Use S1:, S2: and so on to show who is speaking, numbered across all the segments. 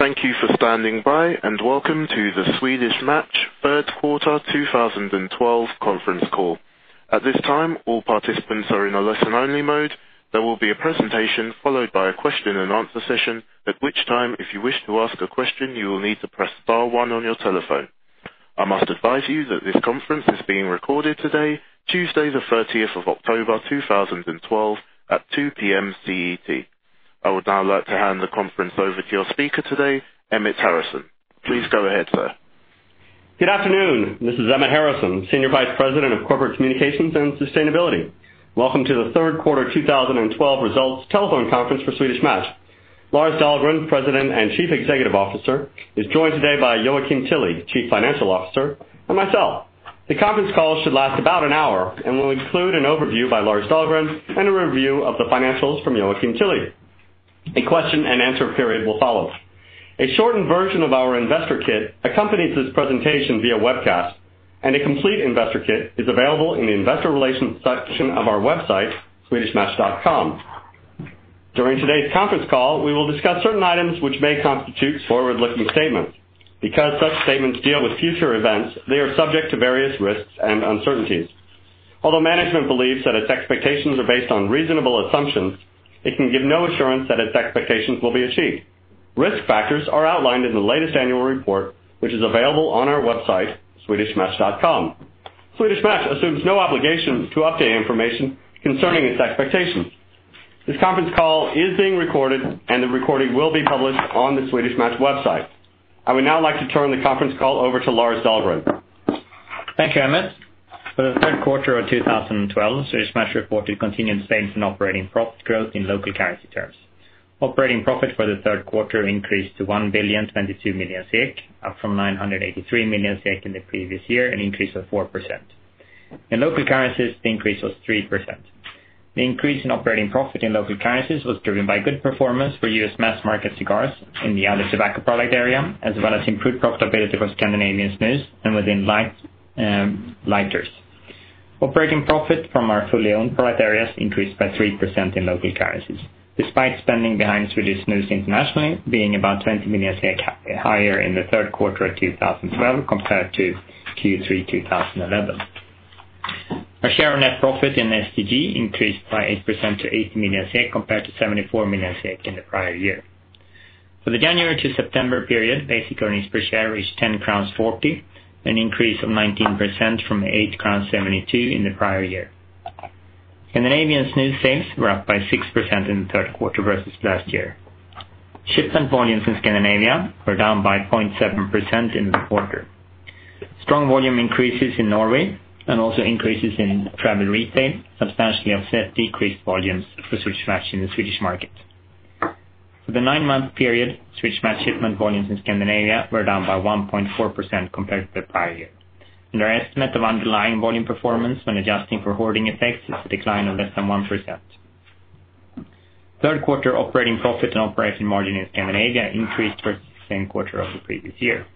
S1: Thank you for standing by. Welcome to the Swedish Match third quarter 2012 conference call. At this time, all participants are in a listen-only mode. There will be a presentation followed by a question and answer session, at which time, if you wish to ask a question, you will need to press star one on your telephone. I must advise you that this conference is being recorded today, Tuesday the 13th of October 2012, at 2:00 P.M. CET. I would now like to hand the conference over to your speaker today, Emmett Harrison. Please go ahead, sir.
S2: Good afternoon. This is Emmett Harrison, Senior Vice President of Corporate Communications and Sustainability. Welcome to the third quarter 2012 results telephone conference for Swedish Match. Lars Dahlgren, President and Chief Executive Officer, is joined today by Joakim Tilly, Chief Financial Officer, and myself. The conference call should last about an hour and will include an overview by Lars Dahlgren and a review of the financials from Joakim Tilly. A question and answer period will follow. A shortened version of our investor kit accompanies this presentation via webcast, and a complete investor kit is available in the investor relations section of our website, swedishmatch.com. During today's conference call, we will discuss certain items which may constitute forward-looking statements. Such statements deal with future events, they are subject to various risks and uncertainties. Management believes that its expectations are based on reasonable assumptions, it can give no assurance that its expectations will be achieved. Risk factors are outlined in the latest annual report, which is available on our website, swedishmatch.com. Swedish Match assumes no obligation to update information concerning its expectations. This conference call is being recorded, and the recording will be published on the Swedish Match website. I would now like to turn the conference call over to Lars Dahlgren.
S3: Thank you, Emmett. For the third quarter of 2012, Swedish Match reported continued sales and operating profit growth in local currency terms. Operating profit for the third quarter increased to 1,022 million SEK, up from 983 million SEK in the previous year, an increase of 4%. In local currencies, the increase was 3%. The increase in operating profit in local currencies was driven by good performance for U.S. mass-market cigars in the other tobacco product area, as well as improved profitability for Scandinavian snus and within lighters. Operating profit from our fully owned product areas increased by 3% in local currencies, despite spending behind Swedish snus internationally being about 20 million higher in the third quarter of 2012 compared to Q3 2011. Our share of net profit in STG increased by 8% to 80 million SEK compared to 74 million SEK in the prior year. For the January to September period, basic earnings per share reached 10.40 crowns, an increase of 19% from 8.72 crowns in the prior year. Scandinavian snus sales were up by 6% in the third quarter versus last year. Shipment volumes in Scandinavia were down by 0.7% in the quarter. Strong volume increases in Norway and also increases in travel retail substantially offset decreased volumes for Swedish Match in the Swedish market. For the nine-month period, Swedish Match shipment volumes in Scandinavia were down by 1.4% compared to the prior year, and our estimate of underlying volume performance when adjusting for hoarding effects is a decline of less than 1%. Third quarter operating profit and operating margin in Scandinavia increased versus the same quarter of the previous year.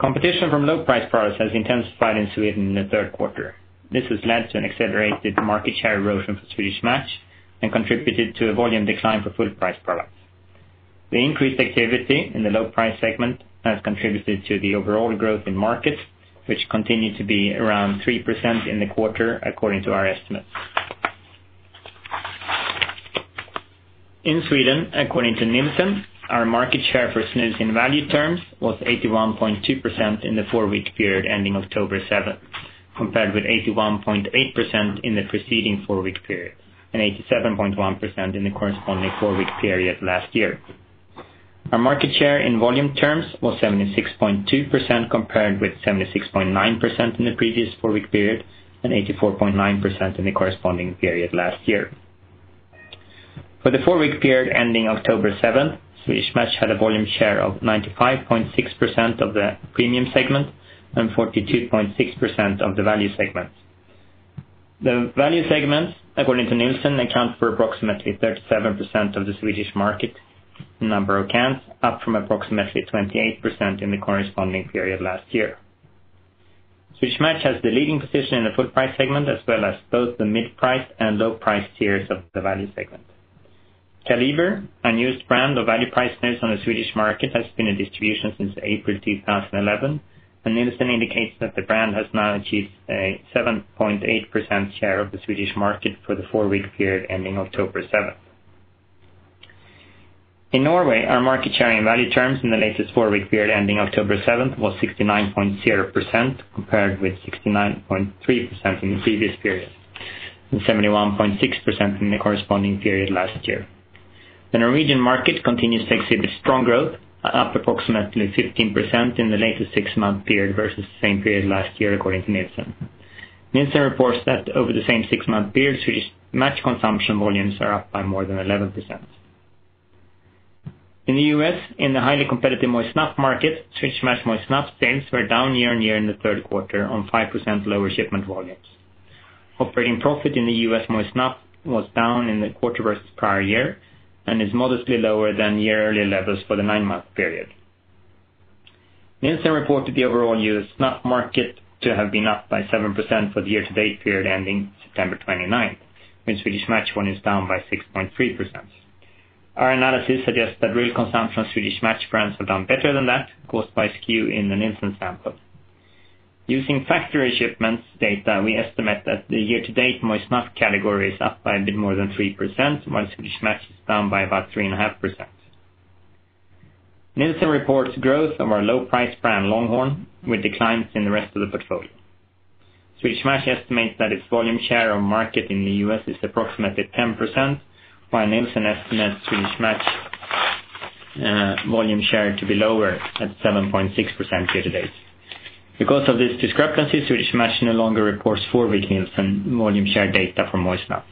S3: Competition from low price products has intensified in Sweden in the third quarter. This has led to an accelerated market share erosion for Swedish Match and contributed to a volume decline for full price products. The increased activity in the low price segment has contributed to the overall growth in market, which continued to be around 3% in the quarter, according to our estimates. In Sweden, according to Nielsen, our market share for snus in value terms was 81.2% in the four-week period ending October 7th, compared with 81.8% in the preceding four-week period and 87.1% in the corresponding four-week period last year. Our market share in volume terms was 76.2%, compared with 76.9% in the previous four-week period and 84.9% in the corresponding period last year. For the four-week period ending October 7th, Swedish Match had a volume share of 95.6% of the premium segment and 42.6% of the value segment. The value segment, according to Nielsen, accounts for approximately 37% of the Swedish market number of cans, up from approximately 28% in the corresponding period last year. Swedish Match has the leading position in the full price segment, as well as both the mid-price and low price tiers of the value segment. Kaliber, a new brand of value priced snus on the Swedish market, has been in distribution since April 2011, and Nielsen indicates that the brand has now achieved a 7.8% share of the Swedish market for the four-week period ending October 7th. In Norway, our market share in value terms in the latest four-week period ending October 7th was 69.0%, compared with 69.3% in the previous period and 71.6% in the corresponding period last year. The Norwegian market continues to exhibit strong growth, up approximately 15% in the latest six-month period versus the same period last year, according to Nielsen. Nielsen reports that over the same six-month period, Swedish Match consumption volumes are up by more than 11%. In the U.S., in the highly competitive moist snuff market, Swedish Match moist snuff sales were down year on year in the third quarter on 5% lower shipment volumes. Operating profit in the U.S. moist snuff was down in the quarter versus the prior year and is modestly lower than year-earlier levels for the nine-month period. Nielsen reported the overall U.S. snuff market to have been up by 7% for the year-to-date period ending September 29th, when Swedish Match one is down by 6.3%. Our analysis suggests that real consumption of Swedish Match brands have done better than that, caused by SKU in the Nielsen sample. Using factory shipments data, we estimate that the year-to-date moist snuff category is up by a bit more than 3%, while Swedish Match is down by about 3.5%. Nielsen reports growth of our low price brand Longhorn, with declines in the rest of the portfolio. Swedish Match estimates that its volume share of market in the U.S. is approximately 10%, while Nielsen estimates Swedish Match volume share to be lower at 7.6% year-to-date. Because of these discrepancies, Swedish Match no longer reports for Nielsen volume share data for moist snuff.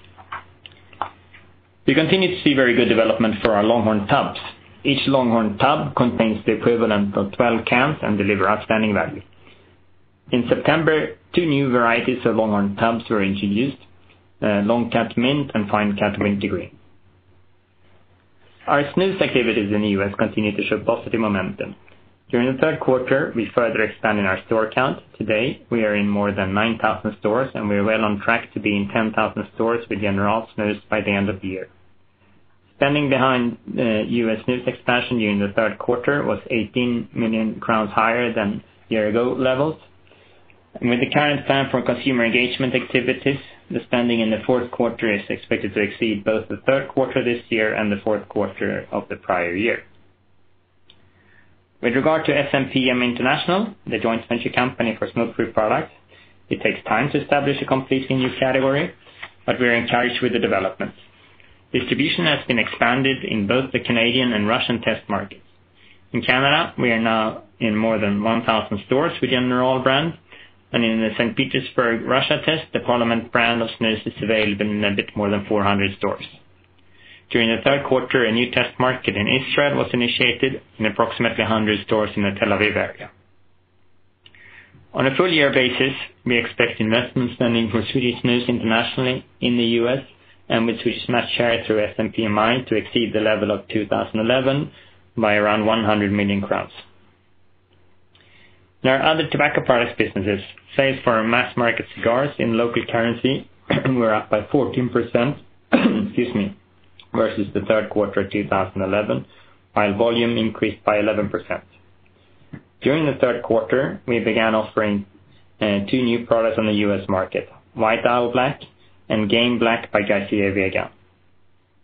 S3: We continue to see very good development for our Longhorn Tubs. Each Longhorn Tub contains the equivalent of 12 cans and deliver outstanding value. In September, two new varieties of Longhorn Tubs were introduced, Long Cut Mint and Fine Cut Wintergreen. Our snus activities in the U.S. continue to show positive momentum. During the third quarter, we further expanded our store count. Today, we are in more than 9,000 stores, we are well on track to be in 10,000 stores with General Snus by the end of the year. Spending behind U.S. snus expansion during the third quarter was 18 million crowns higher than year ago levels. With the current plan for consumer engagement activities, the spending in the fourth quarter is expected to exceed both the third quarter this year and the fourth quarter of the prior year. With regard to SMPM International, the joint venture company for smoke-free products, it takes time to establish a completely new category, we're encouraged with the developments. Distribution has been expanded in both the Canadian and Russian test markets. In Canada, we are now in more than 1,000 stores with General brands, in the St. Petersburg, Russia test, the Parliament brand of snus is available in a bit more than 400 stores. During the third quarter, a new test market in Israel was initiated in approximately 100 stores in the Tel Aviv area. On a full year basis, we expect investment spending for Swedish Snus internationally in the U.S. and with Swedish Match Share through SMPM to exceed the level of 2011 by around 100 million crowns. In our other tobacco products businesses, sales for our mass market cigars in local currency were up by 14% versus the third quarter 2011, while volume increased by 11%. During the third quarter, we began offering two new products on the U.S. market, White Owl Black and Game Black by Garcia y Vega.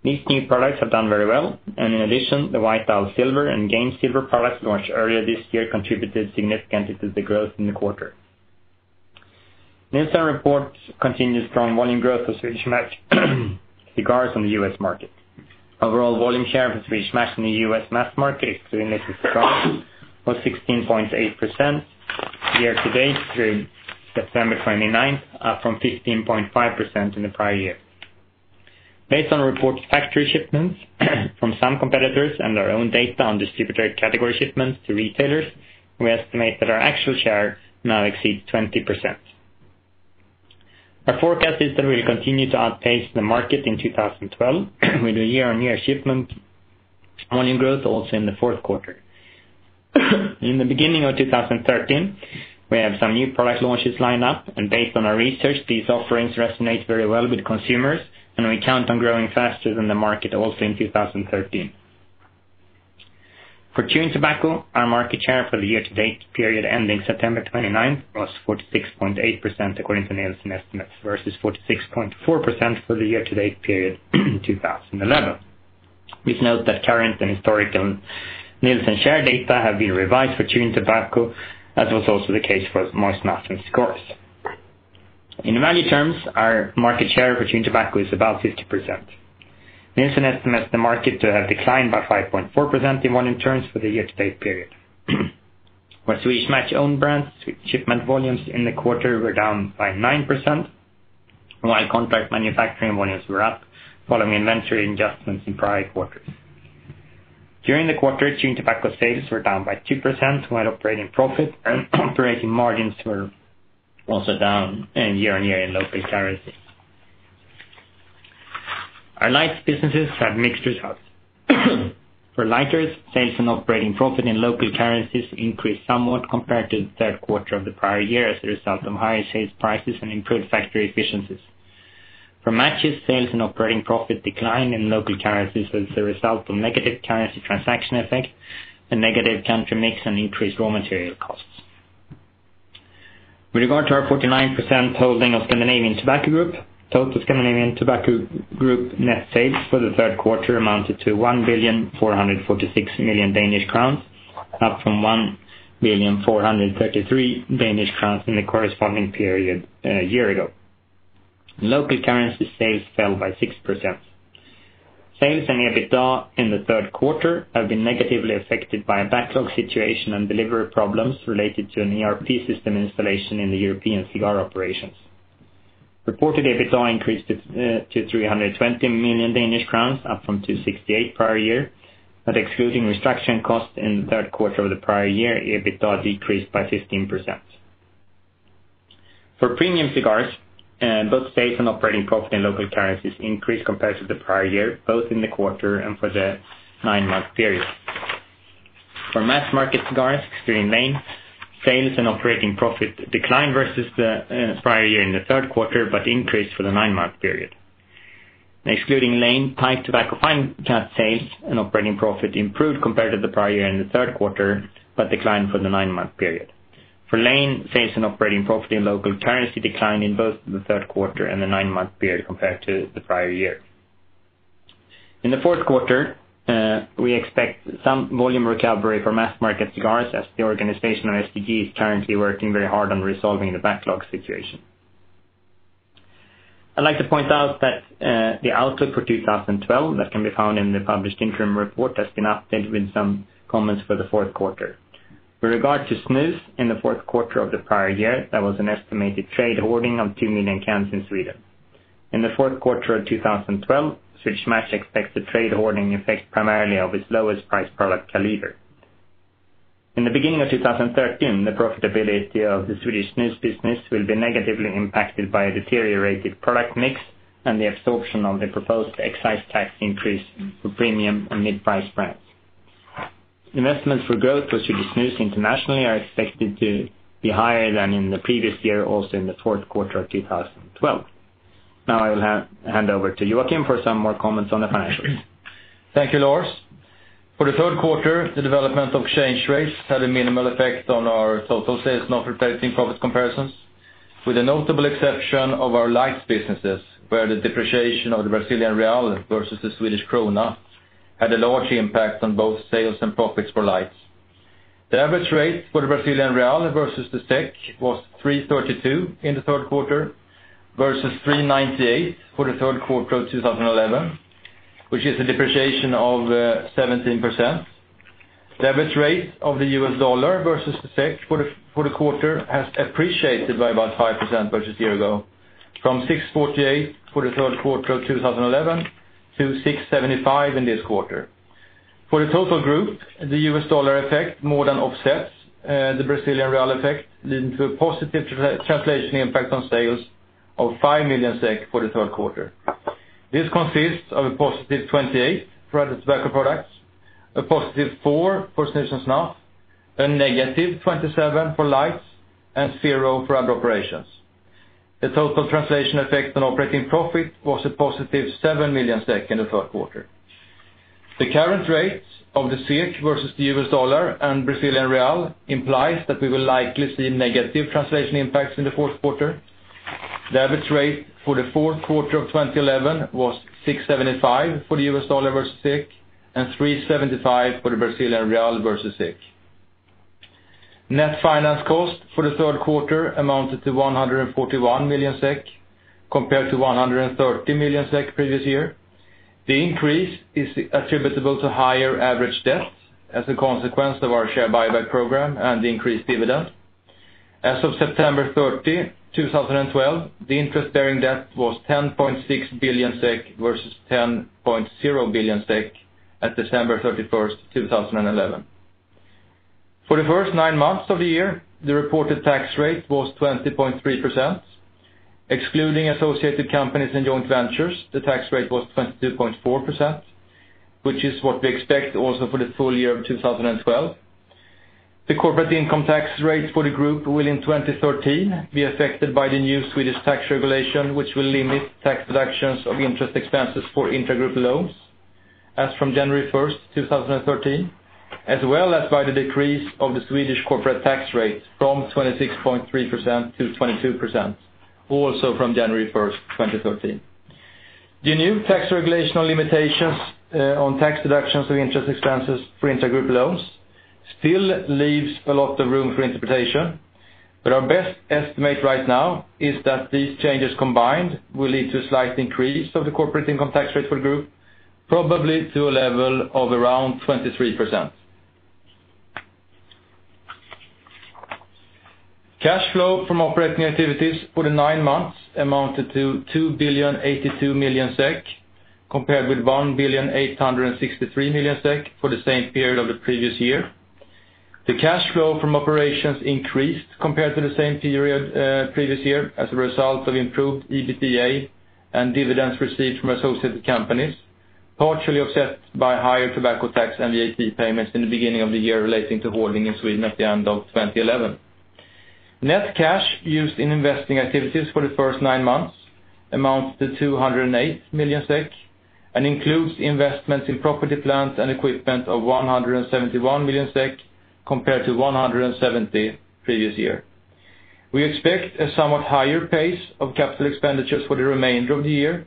S3: These new products have done very well, in addition, the White Owl Silver and Game Silver products launched earlier this year contributed significantly to the growth in the quarter. Nielsen reports continued strong volume growth of Swedish Match cigars on the U.S. market. Overall volume share for Swedish Match in the U.S. mass market, excluding licensed cigars, was 16.8% year-to-date through September 29th, up from 15.5% in the prior year. Based on reported factory shipments from some competitors and our own data on distributor category shipments to retailers, we estimate that our actual share now exceeds 20%. Our forecast is that we'll continue to outpace the market in 2012 with a year-on-year shipment volume growth also in the fourth quarter. The beginning of 2013, we have some new product launches lined up. Based on our research, these offerings resonate very well with consumers, and we count on growing faster than the market also in 2013. For chewing tobacco, our market share for the year-to-date period ending September 29th was 46.8%, according to Nielsen estimates, versus 46.4% for the year-to-date period in 2011. Please note that current and historical Nielsen share data have been revised for chewing tobacco, as was also the case for moist snuff and cigars. In value terms, our market share for chewing tobacco is about 50%. Nielsen estimates the market to have declined by 5.4% in volume terms for the year-to-date period. For Swedish Match owned brands, shipment volumes in the quarter were down by 9%, while contract manufacturing volumes were up, following inventory adjustments in prior quarters. During the quarter, chewing tobacco sales were down by 2%, while operating profit and operating margins were also down year-on-year in local currency. Our lights businesses have mixtures results. For lighters, sales and operating profit in local currencies increased somewhat compared to the third quarter of the prior year as a result of higher sales prices and improved factory efficiencies. For matches, sales and operating profit declined in local currencies as a result of negative currency transaction effect and negative country mix and increased raw material costs. With regard to our 49% holding of Scandinavian Tobacco Group, total Scandinavian Tobacco Group net sales for the third quarter amounted to 1,446,000,000 Danish crowns, up from 1,433,000,000 Danish crowns in the corresponding period a year ago. Local currency sales fell by 6%. Sales and EBITDA in the third quarter have been negatively affected by a backlog situation and delivery problems related to an ERP system installation in the European cigar operations. Reported EBITDA increased to 320 million Danish crowns, up from 268 prior year, but excluding restructuring costs in the third quarter of the prior year, EBITDA decreased by 15%. For premium cigars, both sales and operating profit in local currencies increased compared to the prior year, both in the quarter and for the nine-month period. For mass market cigars, excluding Lane, sales and operating profit declined versus the prior year in the third quarter, but increased for the nine-month period. Excluding Lane, pipe tobacco fine cut sales and operating profit improved compared to the prior year in the third quarter, but declined for the nine-month period. For Lane, sales and operating profit in local currency declined in both the third quarter and the nine-month period compared to the prior year. In the fourth quarter, we expect some volume recovery for mass market cigars as the organization of STG is currently working very hard on resolving the backlog situation. I'd like to point out that the outlook for 2012 that can be found in the published interim report has been updated with some comments for the fourth quarter. With regard to snus in the fourth quarter of the prior year, that was an estimated trade hoarding of 2 million cans in Sweden. In the fourth quarter of 2012, Swedish Match expects the trade hoarding effect primarily of its lowest price product Kaliber. In the beginning of 2013, the profitability of the Swedish snus business will be negatively impacted by a deteriorated product mix and the absorption of the proposed excise tax increase for premium and mid-price brands. Investments for growth for Swedish snus internationally are expected to be higher than in the previous year, also in the fourth quarter of 2012. I will hand over to Joakim for some more comments on the financials.
S4: Thank you, Lars. For the third quarter, the development of change rates had a minimal effect on our total sales and operating profit comparisons, with the notable exception of our lights businesses, where the depreciation of the Brazilian real versus the Swedish krona had a large impact on both sales and profits for lights. The average rate for the Brazilian real versus the SEK was 332 in the third quarter, versus 398 for the third quarter of 2011, which is a depreciation of 17%. The average rate of the US dollar versus the SEK for the quarter has appreciated by about 5% versus year ago, from 648 for the third quarter of 2011 to 675 in this quarter. For the total group, the US dollar effect more than offsets the Brazilian real effect, leading to a positive translation impact on sales of 5 million SEK for the third quarter. This consists of a positive 28 for other tobacco products, a positive 4 for snus and snuff, a negative 27 for lights, and zero for other operations. The total translation effect on operating profit was a positive 7 million SEK in the third quarter. The current rates of the SEK versus the US dollar and Brazilian real implies that we will likely see negative translation impacts in the fourth quarter. The average rate for the fourth quarter of 2011 was 675 for the US dollar versus SEK and 375 for the Brazilian real versus SEK. Net finance cost for the third quarter amounted to 141 million SEK, compared to 130 million SEK previous year. The increase is attributable to higher average debt as a consequence of our share buyback program and the increased dividend. As of September 30, 2012, the interest bearing debt was 10.6 billion SEK versus 10.0 billion SEK at December 31st, 2011. For the first nine months of the year, the reported tax rate was 20.3%. Excluding associated companies and joint ventures, the tax rate was 22.4%, which is what we expect also for the full year of 2012. The corporate income tax rate for the group will in 2013 be affected by the new Swedish tax regulation, which will limit tax deductions of interest expenses for intra-group loans as from January 1st, 2013, as well as by the decrease of the Swedish corporate tax rate from 26.3% to 22%, also from January 1st, 2013. The new tax regulation on limitations on tax deductions of interest expenses for intra-group loans still leaves a lot of room for interpretation. Our best estimate right now is that these changes combined will lead to a slight increase of the corporate income tax rate for the group, probably to a level of around 23%. Cash flow from operating activities for the nine months amounted to 2 billion, 82 million, compared with 1 billion, 863 million for the same period of the previous year. The cash flow from operations increased compared to the same period previous year as a result of improved EBITDA and dividends received from associated companies, partially offset by higher tobacco tax and the AP payments in the beginning of the year relating to hoarding in Sweden at the end of 2011. Net cash used in investing activities for the first nine months amounts to 208 million SEK and includes investments in property, plant, and equipment of 171 million SEK compared to 170 previous year. We expect a somewhat higher pace of capital expenditures for the remainder of the year,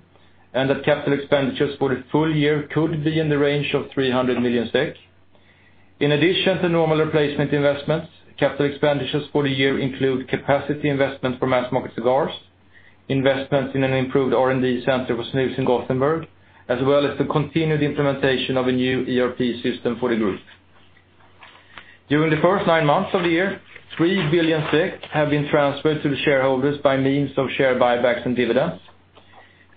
S4: that capital expenditures for the full year could be in the range of 300 million SEK. In addition to normal replacement investments, capital expenditures for the year include capacity investments for mass market cigars, investments in an improved R&D center for snus in Gothenburg, as well as the continued implementation of a new ERP system for the group. During the first nine months of the year, 3 billion have been transferred to the shareholders by means of share buybacks and dividends.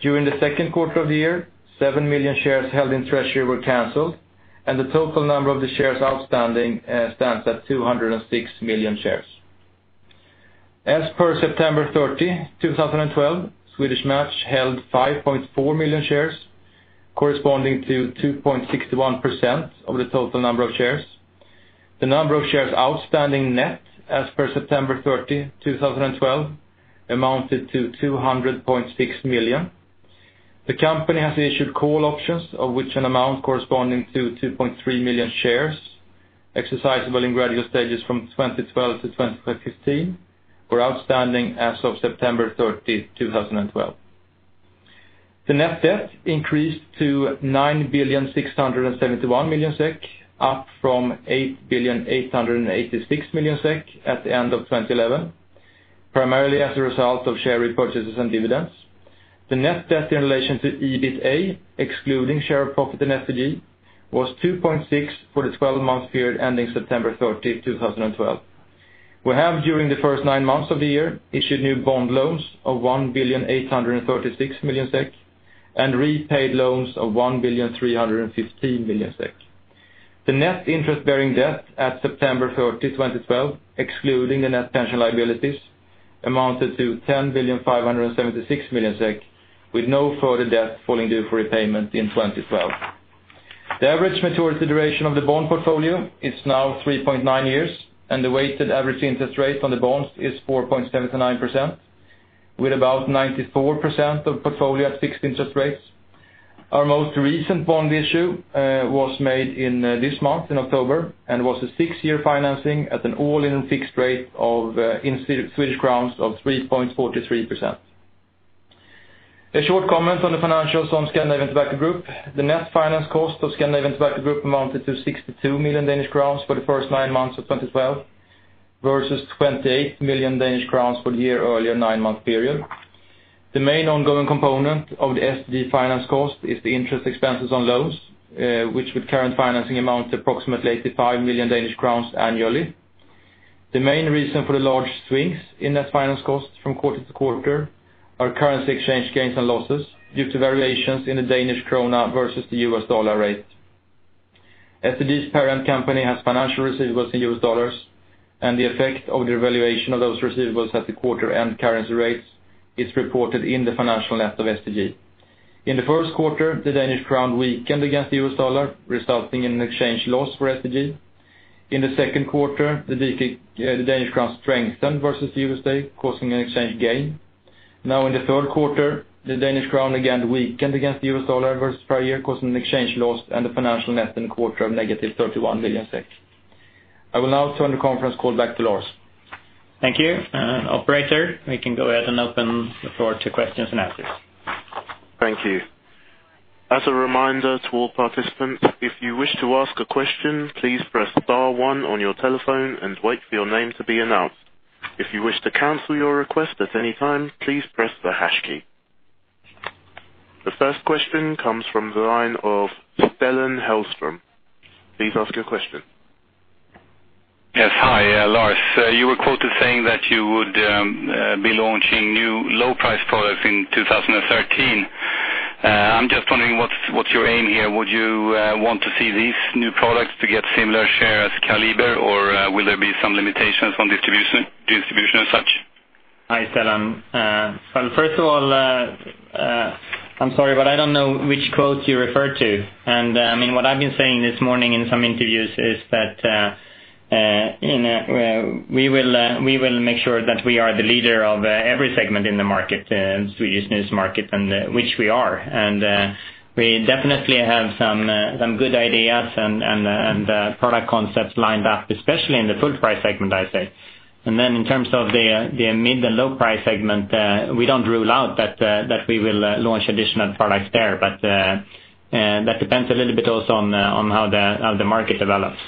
S4: During the second quarter of the year, 7 million shares held in treasury were canceled, and the total number of the shares outstanding stands at 206 million shares. As per September 30, 2012, Swedish Match held 5.4 million shares, corresponding to 2.61% of the total number of shares. The number of shares outstanding net as per September 30, 2012, amounted to 200.6 million. The company has issued call options of which an amount corresponding to 2.3 million shares exercisable in gradual stages from 2012 to 2015 were outstanding as of September 30, 2012. The net debt increased to 9,671,000,000 SEK, up from 8,886,000,000 SEK at the end of 2011, primarily as a result of share repurchases and dividends. The net debt in relation to EBITDA, excluding share of profit in STG, was 2.6 for the 12-month period ending September 30, 2012. We have during the first nine months of the year issued new bond loans of 1,836,000,000 SEK and repaid loans of 1,315,000,000 SEK. The net interest-bearing debt at September 30, 2012, excluding the net pension liabilities, amounted to 10,576,000,000 SEK, with no further debt falling due for repayment in 2012. The average maturity duration of the bond portfolio is now 3.9 years, the weighted average interest rate on the bonds is 4.79%, with about 94% of portfolio at fixed interest rates. Our most recent bond issue was made in this month, in October, and was a six-year financing at an all-in fixed rate in SEK of 3.43%. A short comment on the financials on Scandinavian Tobacco Group. The net finance cost of Scandinavian Tobacco Group amounted to 62 million Danish crowns for the first nine months of 2012 versus 28 million Danish crowns for the year earlier nine-month period. The main ongoing component of the STG finance cost is the interest expenses on loans, which with current financing amount approximately 85 million Danish crowns annually. The main reason for the large swings in net finance costs from quarter to quarter are currency exchange gains and losses due to variations in the Danish krone versus the US dollar rate. STG's parent company has financial receivables in US dollars, and the effect of the valuation of those receivables at the quarter-end currency rates is reported in the financial net of STG. In the first quarter, the Danish krone weakened against the US dollar, resulting in an exchange loss for STG. In the second quarter, the Danish krone strengthened versus the US dollar, causing an exchange gain. Now in the third quarter, the Danish krone again weakened against the US dollar versus prior year, causing an exchange loss and a financial net in the quarter of negative 31 million SEK. I will now turn the conference call back to Lars.
S3: Thank you. Operator, we can go ahead and open the floor to questions and answers.
S1: Thank you. As a reminder to all participants, if you wish to ask a question, please press star one on your telephone and wait for your name to be announced. If you wish to cancel your request at any time, please press the hash key. The first question comes from the line of Stellan Hellström. Please ask your question.
S5: Yes. Hi, Lars. You were quoted saying that you would be launching new low-price products in 2013. I'm just wondering what's your aim here? Would you want to see these new products to get similar share as Kaliber, or will there be some limitations on distribution as such?
S3: Hi, Stellan. First of all, I'm sorry, but I don't know which quote you referred to. What I've been saying this morning in some interviews is that we will make sure that we are the leader of every segment in the Swedish snus market, which we are. We definitely have some good ideas and product concepts lined up, especially in the full-price segment, I'd say. In terms of the mid- to low-price segment, we don't rule out that we will launch additional products there, that depends a little bit also on how the market develops.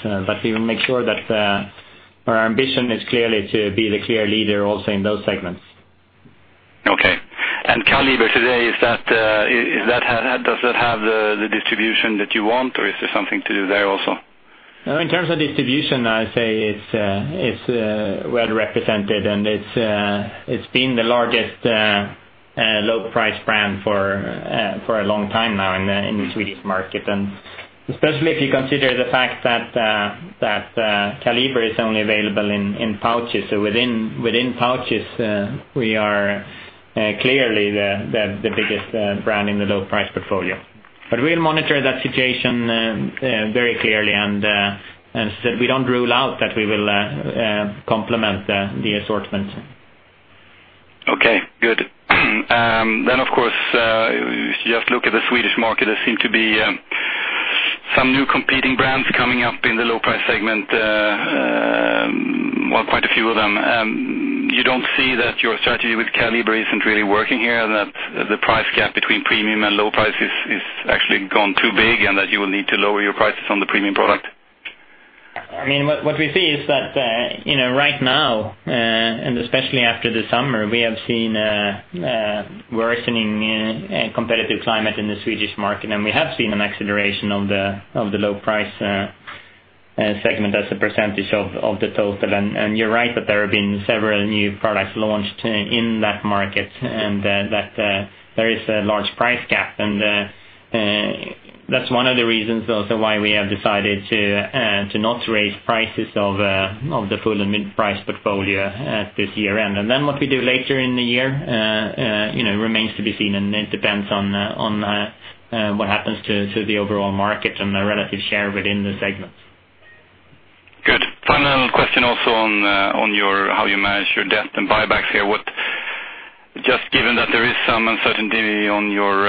S3: We will make sure that our ambition is clearly to be the clear leader also in those segments.
S5: Okay. Kaliber today, does that have the distribution that you want, or is there something to do there also?
S3: In terms of distribution, I'd say it's well represented, and it's been the largest low-price brand for a long time now in the Swedish market. Especially if you consider the fact that Kaliber is only available in pouches. Within pouches, we are clearly the biggest brand in the low-price portfolio. We'll monitor that situation very clearly. As I said, we don't rule out that we will complement the assortment.
S5: Okay, good. Of course, if you just look at the Swedish market, there seem to be some new competing brands coming up in the low-price segment. Well, quite a few of them. You don't see that your strategy with Kaliber isn't really working here, that the price gap between premium and low-price has actually gone too big and that you will need to lower your prices on the premium product?
S3: What we see is that right now, especially after the summer, we have seen a worsening competitive climate in the Swedish market, we have seen an acceleration of the low-price segment as a percentage of the total. You're right that there have been several new products launched in that market, that there is a large price gap. That's one of the reasons also why we have decided to not raise prices of the full and mid-price portfolio at this year-end. What we do later in the year remains to be seen, it depends on what happens to the overall market and the relative share within the segments.
S5: Good. Final question also on how you manage your debt and buybacks here. Just given that there is some uncertainty on your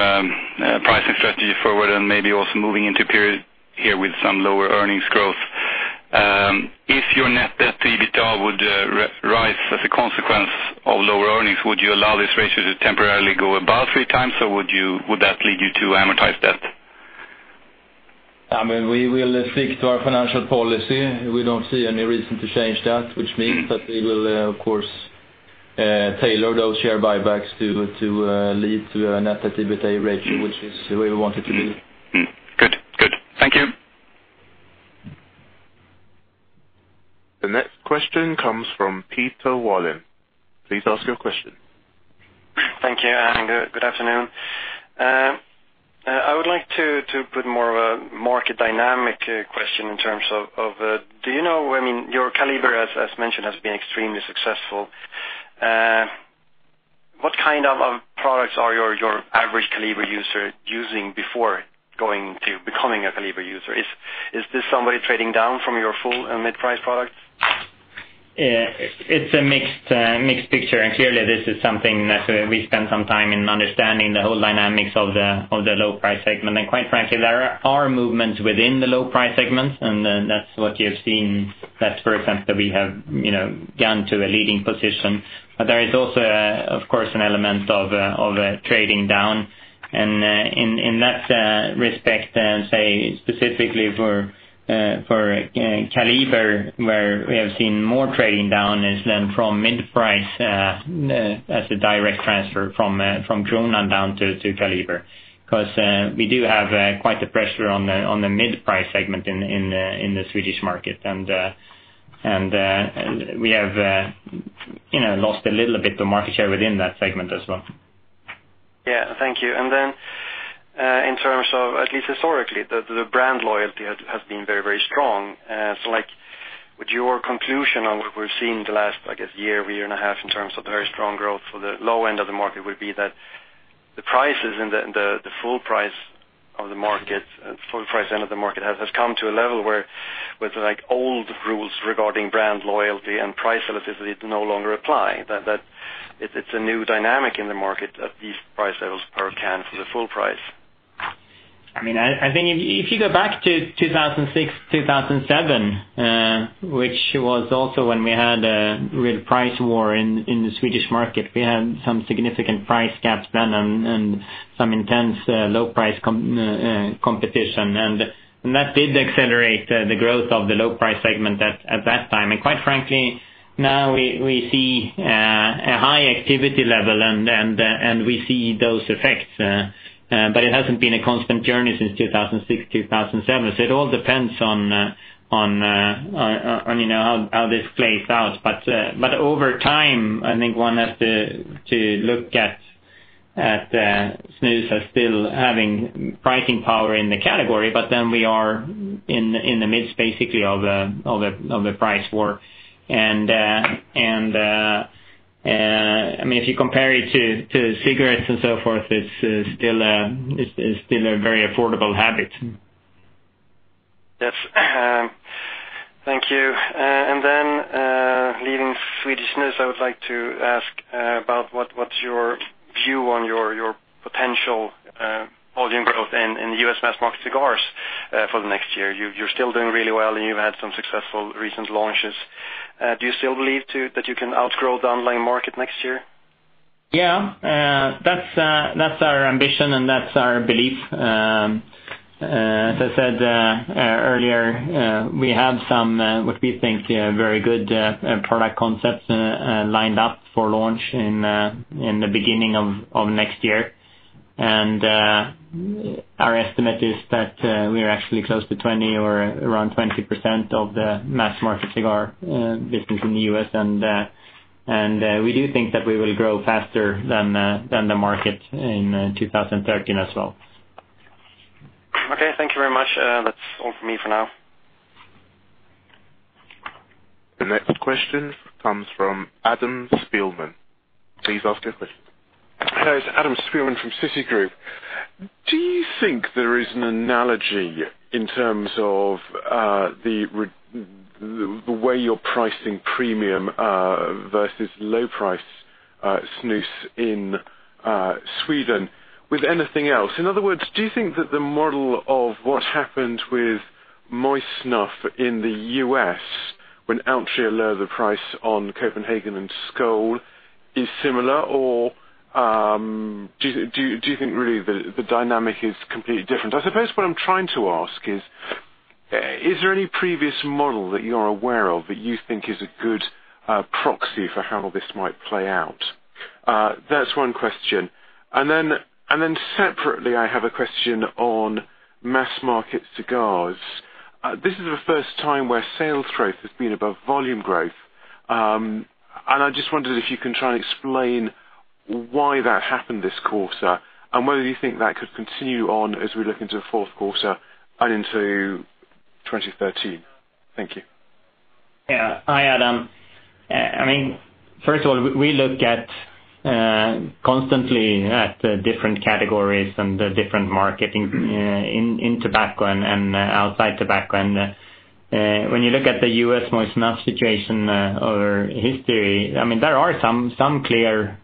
S5: pricing strategy forward and maybe also moving into a period here with some lower earnings growth. If your net debt to EBITDA would rise as a consequence of lower earnings, would you allow this ratio to temporarily go above three times, or would that lead you to amortize debt?
S4: We will stick to our financial policy. We don't see any reason to change that, which means that we will, of course, tailor those share buybacks to lead to a net debt to EBITDA ratio, which is the way we want it to be.
S5: Good. Thank you.
S1: The next question comes from Peter Wallin. Please ask your question.
S6: Thank you. Good afternoon. I would like to put more of a market dynamic question in terms of, Your Kaliber, as mentioned, has been extremely successful. What kind of products are your average Kaliber user using before going to becoming a Kaliber user? Is this somebody trading down from your full and mid-price products?
S3: It's a mixed picture. Clearly this is something that we spend some time in understanding the whole dynamics of the low price segment. Quite frankly, there are movements within the low price segments, and then that's what you've seen. That's for example we have gone to a leading position. There is also, of course, an element of trading down. In that respect, say specifically for Kaliber, where we have seen more trading down is then from mid-price as a direct transfer from Kronan down to Kaliber. We do have quite the pressure on the mid-price segment in the Swedish market. We have lost a little bit of market share within that segment as well.
S6: Yeah. Thank you. Then in terms of, at least historically, the brand loyalty has been very strong. Would your conclusion on what we've seen the last, I guess, year and a half, in terms of the very strong growth for the low end of the market would be that the prices in the full price end of the market has come to a level where, with old rules regarding brand loyalty and price elasticity, it no longer apply. That it's a new dynamic in the market at these price levels per can for the full price.
S3: If you go back to 2006, 2007, which was also when we had a real price war in the Swedish market. We had some significant price gaps then and some intense low price competition. That did accelerate the growth of the low price segment at that time. Quite frankly, now we see a high activity level and we see those effects. It hasn't been a constant journey since 2006, 2007. It all depends on how this plays out. Over time, I think one has to look at snus as still having pricing power in the category. Then we are in the midst, basically of the price war. If you compare it to cigarettes and so forth, it's still a very affordable habit.
S6: Yes. Thank you. Then, leaving Swedish snus, I would like to ask about what's your view on your potential volume growth in the U.S. mass market cigars for the next year? You're still doing really well, and you've had some successful recent launches. Do you still believe that you can outgrow the underlying market next year?
S3: Yeah. That's our ambition and that's our belief. As I said earlier, we have some, what we think, very good product concepts lined up for launch in the beginning of next year. Our estimate is that we are actually close to 20 or around 20% of the mass market cigar business in the U.S. We do think that we will grow faster than the market in 2013 as well.
S6: Okay, thank you very much. That's all from me for now.
S1: The next question comes from Adam Spielman. Please ask your question.
S7: Hello. It's Adam Spielman from Citigroup. Do you think there is an analogy in terms of the way you're pricing premium versus low price snus in Sweden with anything else? In other words, do you think that the model of what happened with moist snuff in the U.S. when Altria lowered the price on Copenhagen and Skoal is similar, or do you think really the dynamic is completely different? I suppose what I'm trying to ask is there any previous model that you're aware of that you think is a good proxy for how all this might play out? That's one question. Then separately, I have a question on mass-market cigars. This is the first time where sales growth has been above volume growth. I just wondered if you can try and explain why that happened this quarter, and whether you think that could continue on as we look into the fourth quarter and into 2013. Thank you.
S3: Yeah. Hi, Adam. First of all, we look at constantly at the different categories and the different markets in tobacco and outside tobacco. When you look at the U.S. moist snuff situation or history, there are some clear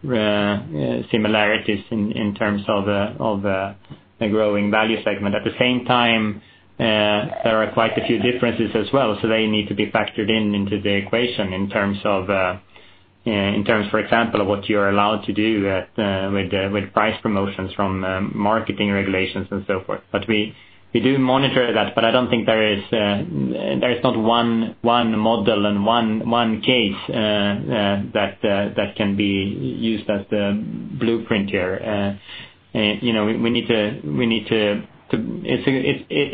S3: similarities in terms of the growing value segment. At the same time, there are quite a few differences as well, so they need to be factored in into the equation in terms, for example, of what you're allowed to do with price promotions from marketing regulations and so forth. We do monitor that, but I don't think there is not one model and one case that can be used as the blueprint here. It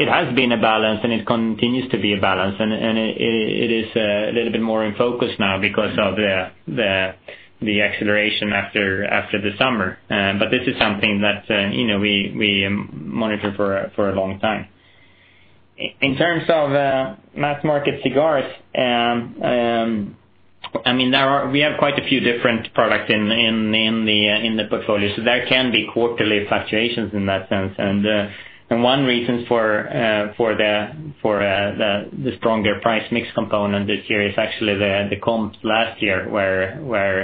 S3: has been a balance, and it continues to be a balance, and it is a little bit more in focus now because of the acceleration after the summer. This is something that we monitor for a long time. In terms of mass-market cigars, we have quite a few different products in the portfolio, so there can be quarterly fluctuations in that sense. One reason for the stronger price mix component this year is actually the comps last year, where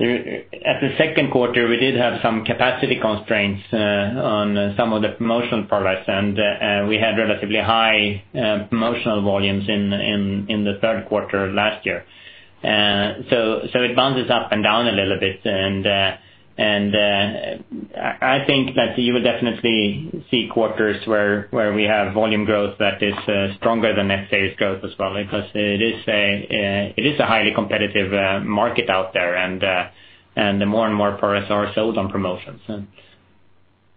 S3: at the second quarter, we did have some capacity constraints on some of the promotion products, and we had relatively high promotional volumes in the third quarter last year. It bounces up and down a little bit, and I think that you will definitely see quarters where we have volume growth that is stronger than net sales growth as well, because it is a highly competitive market out there, and more and more products are sold on promotions.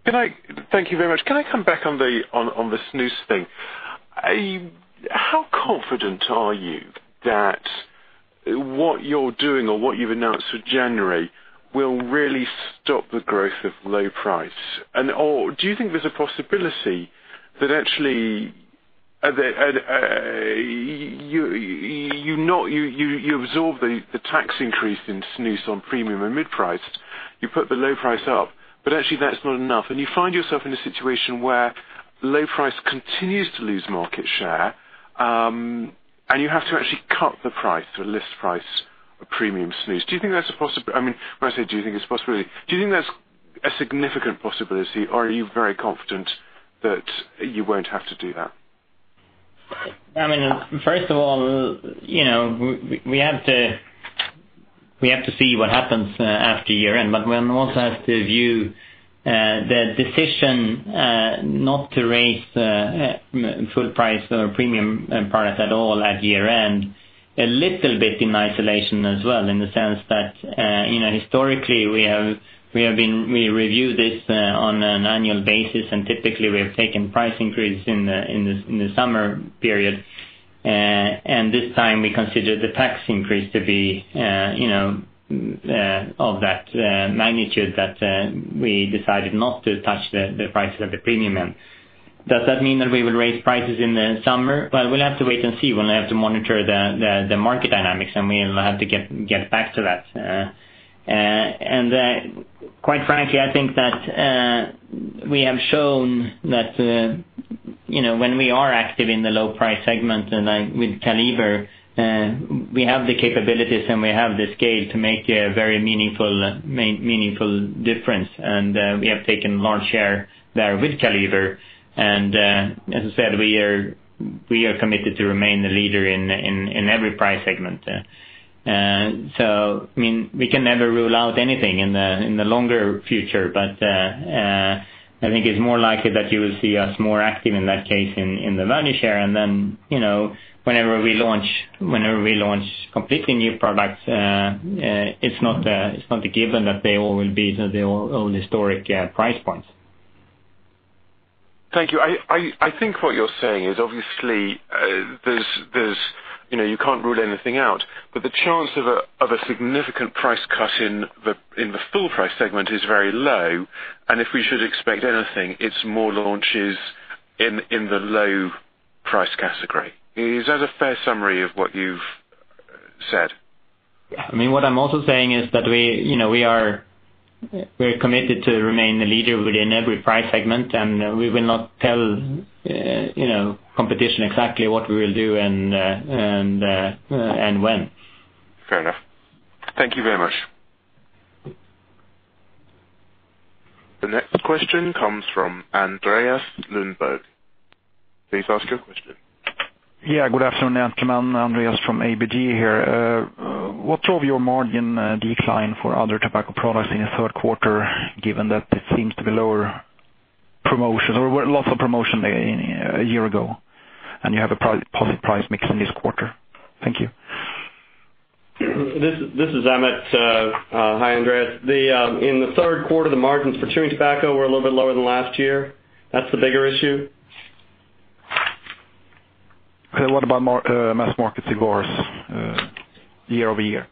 S7: Thank you very much. Can I come back on the snus thing? How confident are you that what you're doing or what you've announced for January will really stop the growth of low price? Or do you think there's a possibility that actually, you absorb the tax increase in snus on premium and mid-priced, you put the low price up, but actually that's not enough, and you find yourself in a situation where low price continues to lose market share, and you have to actually cut the price, the list price of premium snus. Do you think that's a possibility? When I say, do you think it's a possibility, do you think that's a significant possibility, or are you very confident that you won't have to do that?
S3: First of all, we have to see what happens after year-end. One also has to view the decision not to raise full price or premium products at all at year-end a little bit in isolation as well, in the sense that historically, we review this on an annual basis. Typically, we have taken price increases in the summer period. This time, we considered the tax increase to be of that magnitude that we decided not to touch the prices of the premium end. Does that mean that we will raise prices in the summer? We'll have to wait and see. We'll have to monitor the market dynamics, and we'll have to get back to that. Quite frankly, I think that we have shown that when we are active in the low price segment with Kaliber, we have the capabilities and we have the scale to make a very meaningful difference, and we have taken large share there with Kaliber. As I said, we are committed to remain the leader in every price segment. We can never rule out anything in the longer future, but I think it's more likely that you will see us more active in that case in the value share. Whenever we launch completely new products, it's not a given that they all will be the old historic price points.
S7: Thank you. I think what you're saying is obviously, you can't rule anything out, but the chance of a significant price cut in the full price segment is very low, and if we should expect anything, it's more launches in the low price category. Is that a fair summary of what you've said?
S3: What I'm also saying is that we are very committed to remain the leader within every price segment, and we will not tell competition exactly what we will do and when.
S7: Fair enough. Thank you very much.
S1: The next question comes from Andreas Lundberg. Please ask your question.
S8: Yeah, good afternoon, gentlemen. Andreas from ABG here. What of your margin decline for other tobacco products in the third quarter, given that it seems to be lower promotion or lots of promotion a year ago, and you have a positive price mix in this quarter. Thank you.
S2: This is Emmett. Hi, Andreas. In the third quarter, the margins for chewing tobacco were a little bit lower than last year. That's the bigger issue.
S8: Okay. What about mass market cigars year-over-year?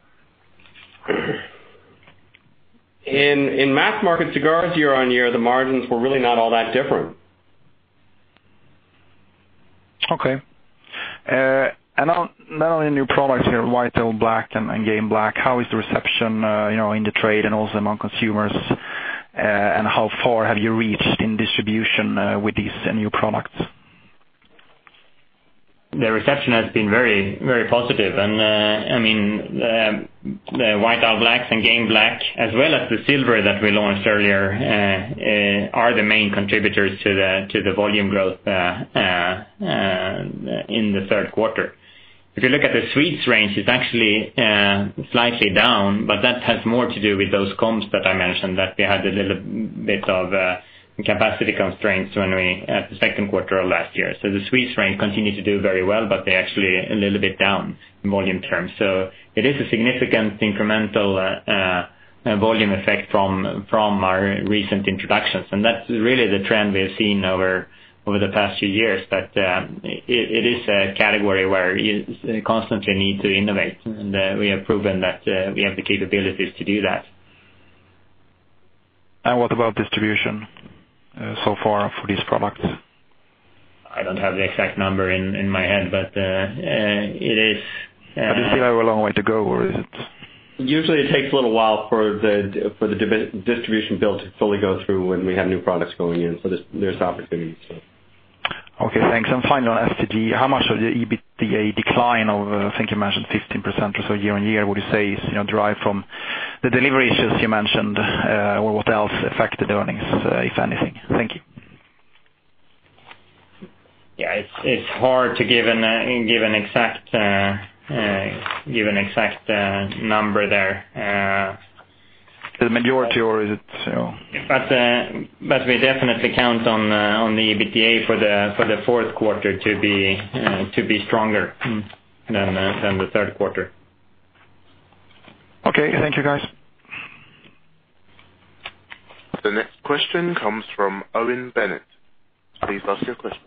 S2: In mass market cigars year-on-year, the margins were really not all that different.
S8: Okay. Not only new products here, White Owl Black and Game Black. How is the reception in the trade and also among consumers, and how far have you reached in distribution with these new products?
S3: The reception has been very positive. The White Owl Blacks and Game Black, as well as the Silver that we launched earlier, are the main contributors to the volume growth in the third quarter. If you look at the sweets range, it's actually slightly down, but that has more to do with those comps that I mentioned, that we had a little bit of capacity constraints when we, at the second quarter of last year. The sweets range continued to do very well, but they actually a little bit down in volume terms. It is a significant incremental volume effect from our recent introductions. That's really the trend we have seen over the past few years, that it is a category where you constantly need to innovate, and we have proven that we have the capabilities to do that.
S8: What about distribution so far for these products?
S3: I don't have the exact number in my head, but it is.
S8: You still have a long way to go, or is it?
S2: Usually it takes a little while for the distribution build to fully go through when we have new products going in. There's opportunities.
S8: Okay, thanks. Final, STG, how much of the EBITDA decline of, I think you mentioned 15% or so year-on-year, would you say is derived from the delivery issues you mentioned? What else affected earnings, if anything? Thank you.
S3: Yeah. It's hard to give an exact number there.
S8: The majority, or is it?
S3: We definitely count on the EBITDA for the fourth quarter to be stronger than the third quarter.
S8: Okay, thank you, guys.
S1: The next question comes from Owen Bennett. Please ask your question.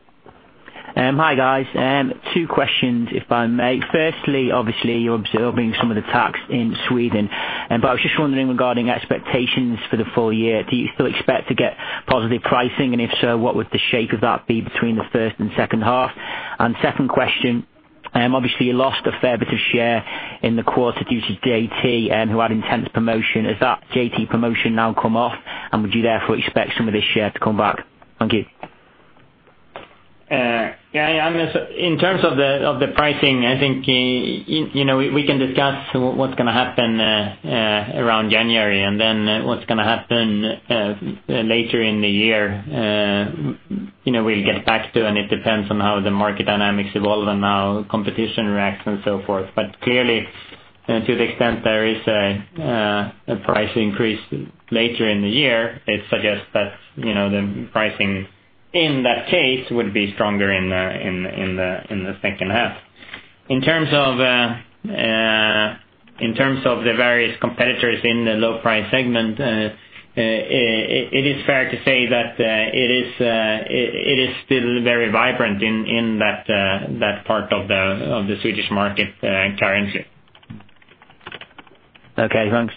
S9: Hi, guys. Two questions, if I may. Firstly, obviously, you're absorbing some of the tax in Sweden. I was just wondering regarding expectations for the full year, do you still expect to get positive pricing? If so, what would the shape of that be between the first and second half? Second question, obviously you lost a fair bit of share in the quarter due to JT who had intense promotion. Has that JT promotion now come off, and would you therefore expect some of this share to come back? Thank you.
S3: Yeah, Owen. In terms of the pricing, I think we can discuss what's going to happen around January and then what's going to happen later in the year. We'll get back to. It depends on how the market dynamics evolve and how competition reacts and so forth. Clearly, to the extent there is a price increase later in the year, it suggests that the pricing, in that case, would be stronger in the second half. In terms of the various competitors in the low price segment, it is fair to say that it is still very vibrant in that part of the Swedish market currently.
S9: Okay, thanks.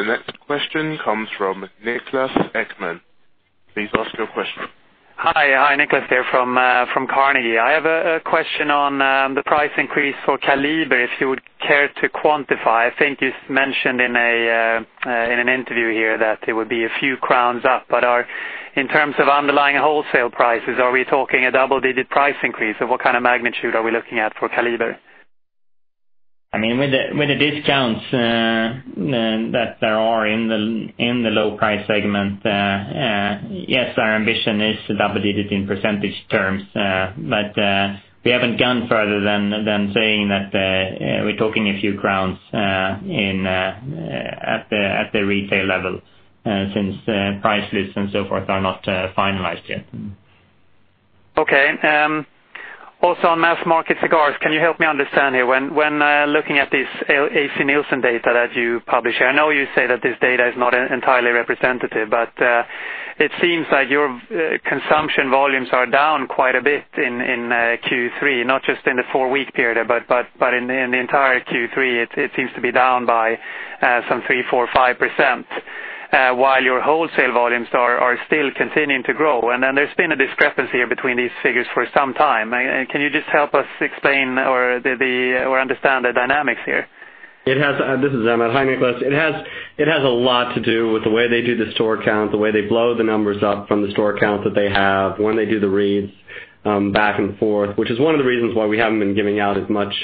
S1: The next question comes from Niklas Ekman. Please ask your question.
S10: Hi, Niklas here from Carnegie. I have a question on the price increase for Kaliber, if you would care to quantify. I think you mentioned in an interview here that it would be a few crowns up. In terms of underlying wholesale prices, are we talking a double-digit price increase? What kind of magnitude are we looking at for Kaliber?
S3: With the discounts that there are in the low price segment, yes, our ambition is double digits in percentage terms. We haven't gone further than saying that we're talking a few crowns at the retail level, since price lists and so forth are not finalized yet.
S10: Okay. Also, on mass market cigars, can you help me understand here, when looking at this ACNielsen data that you publish, I know you say that this data is not entirely representative, it seems like your consumption volumes are down quite a bit in Q3, not just in the four-week period, but in the entire Q3. It seems to be down by some 3%, 4%, 5%, while your wholesale volumes are still continuing to grow. Then there's been a discrepancy between these figures for some time. Can you just help us explain or understand the dynamics here?
S2: This is Emmett. Hi, Niklas. It has a lot to do with the way they do the store count, the way they blow the numbers up from the store count that they have when they do the reads back and forth. Which is one of the reasons why we haven't been giving out as much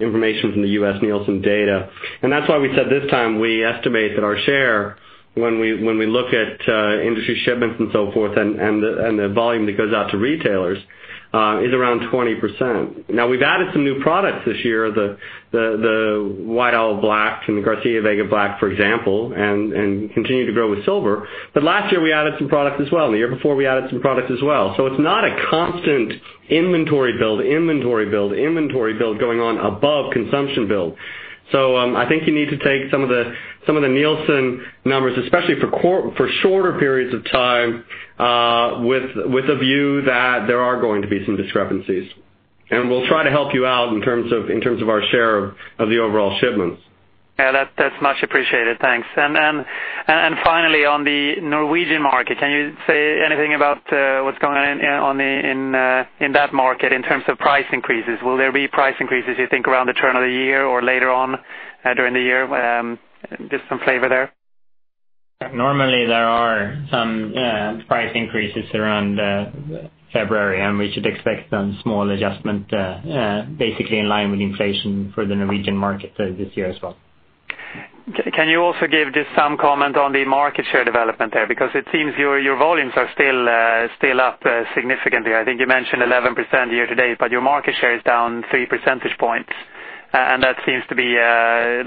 S2: information from the U.S. Nielsen data. That's why we said this time, we estimate that our share, when we look at industry shipments and so forth and the volume that goes out to retailers, is around 20%. We've added some new products this year. The White Owl Black and the Garcia y Vega Black, for example, and continue to grow with Silver. Last year we added some products as well, and the year before we added some products as well. It's not a constant inventory build going on above consumption build. I think you need to take some of the Nielsen numbers, especially for shorter periods of time, with a view that there are going to be some discrepancies. We'll try to help you out in terms of our share of the overall shipments.
S10: Yeah. That's much appreciated. Thanks. Finally, on the Norwegian market, can you say anything about what's going on in that market in terms of price increases? Will there be price increases, you think, around the turn of the year or later on during the year? Just some flavor there.
S3: Normally there are some price increases around February, and we should expect some small adjustment basically in line with inflation for the Norwegian market this year as well.
S10: Can you also give just some comment on the market share development there? It seems your volumes are still up significantly. I think you mentioned 11% year to date, but your market share is down three percentage points, and that seems to be,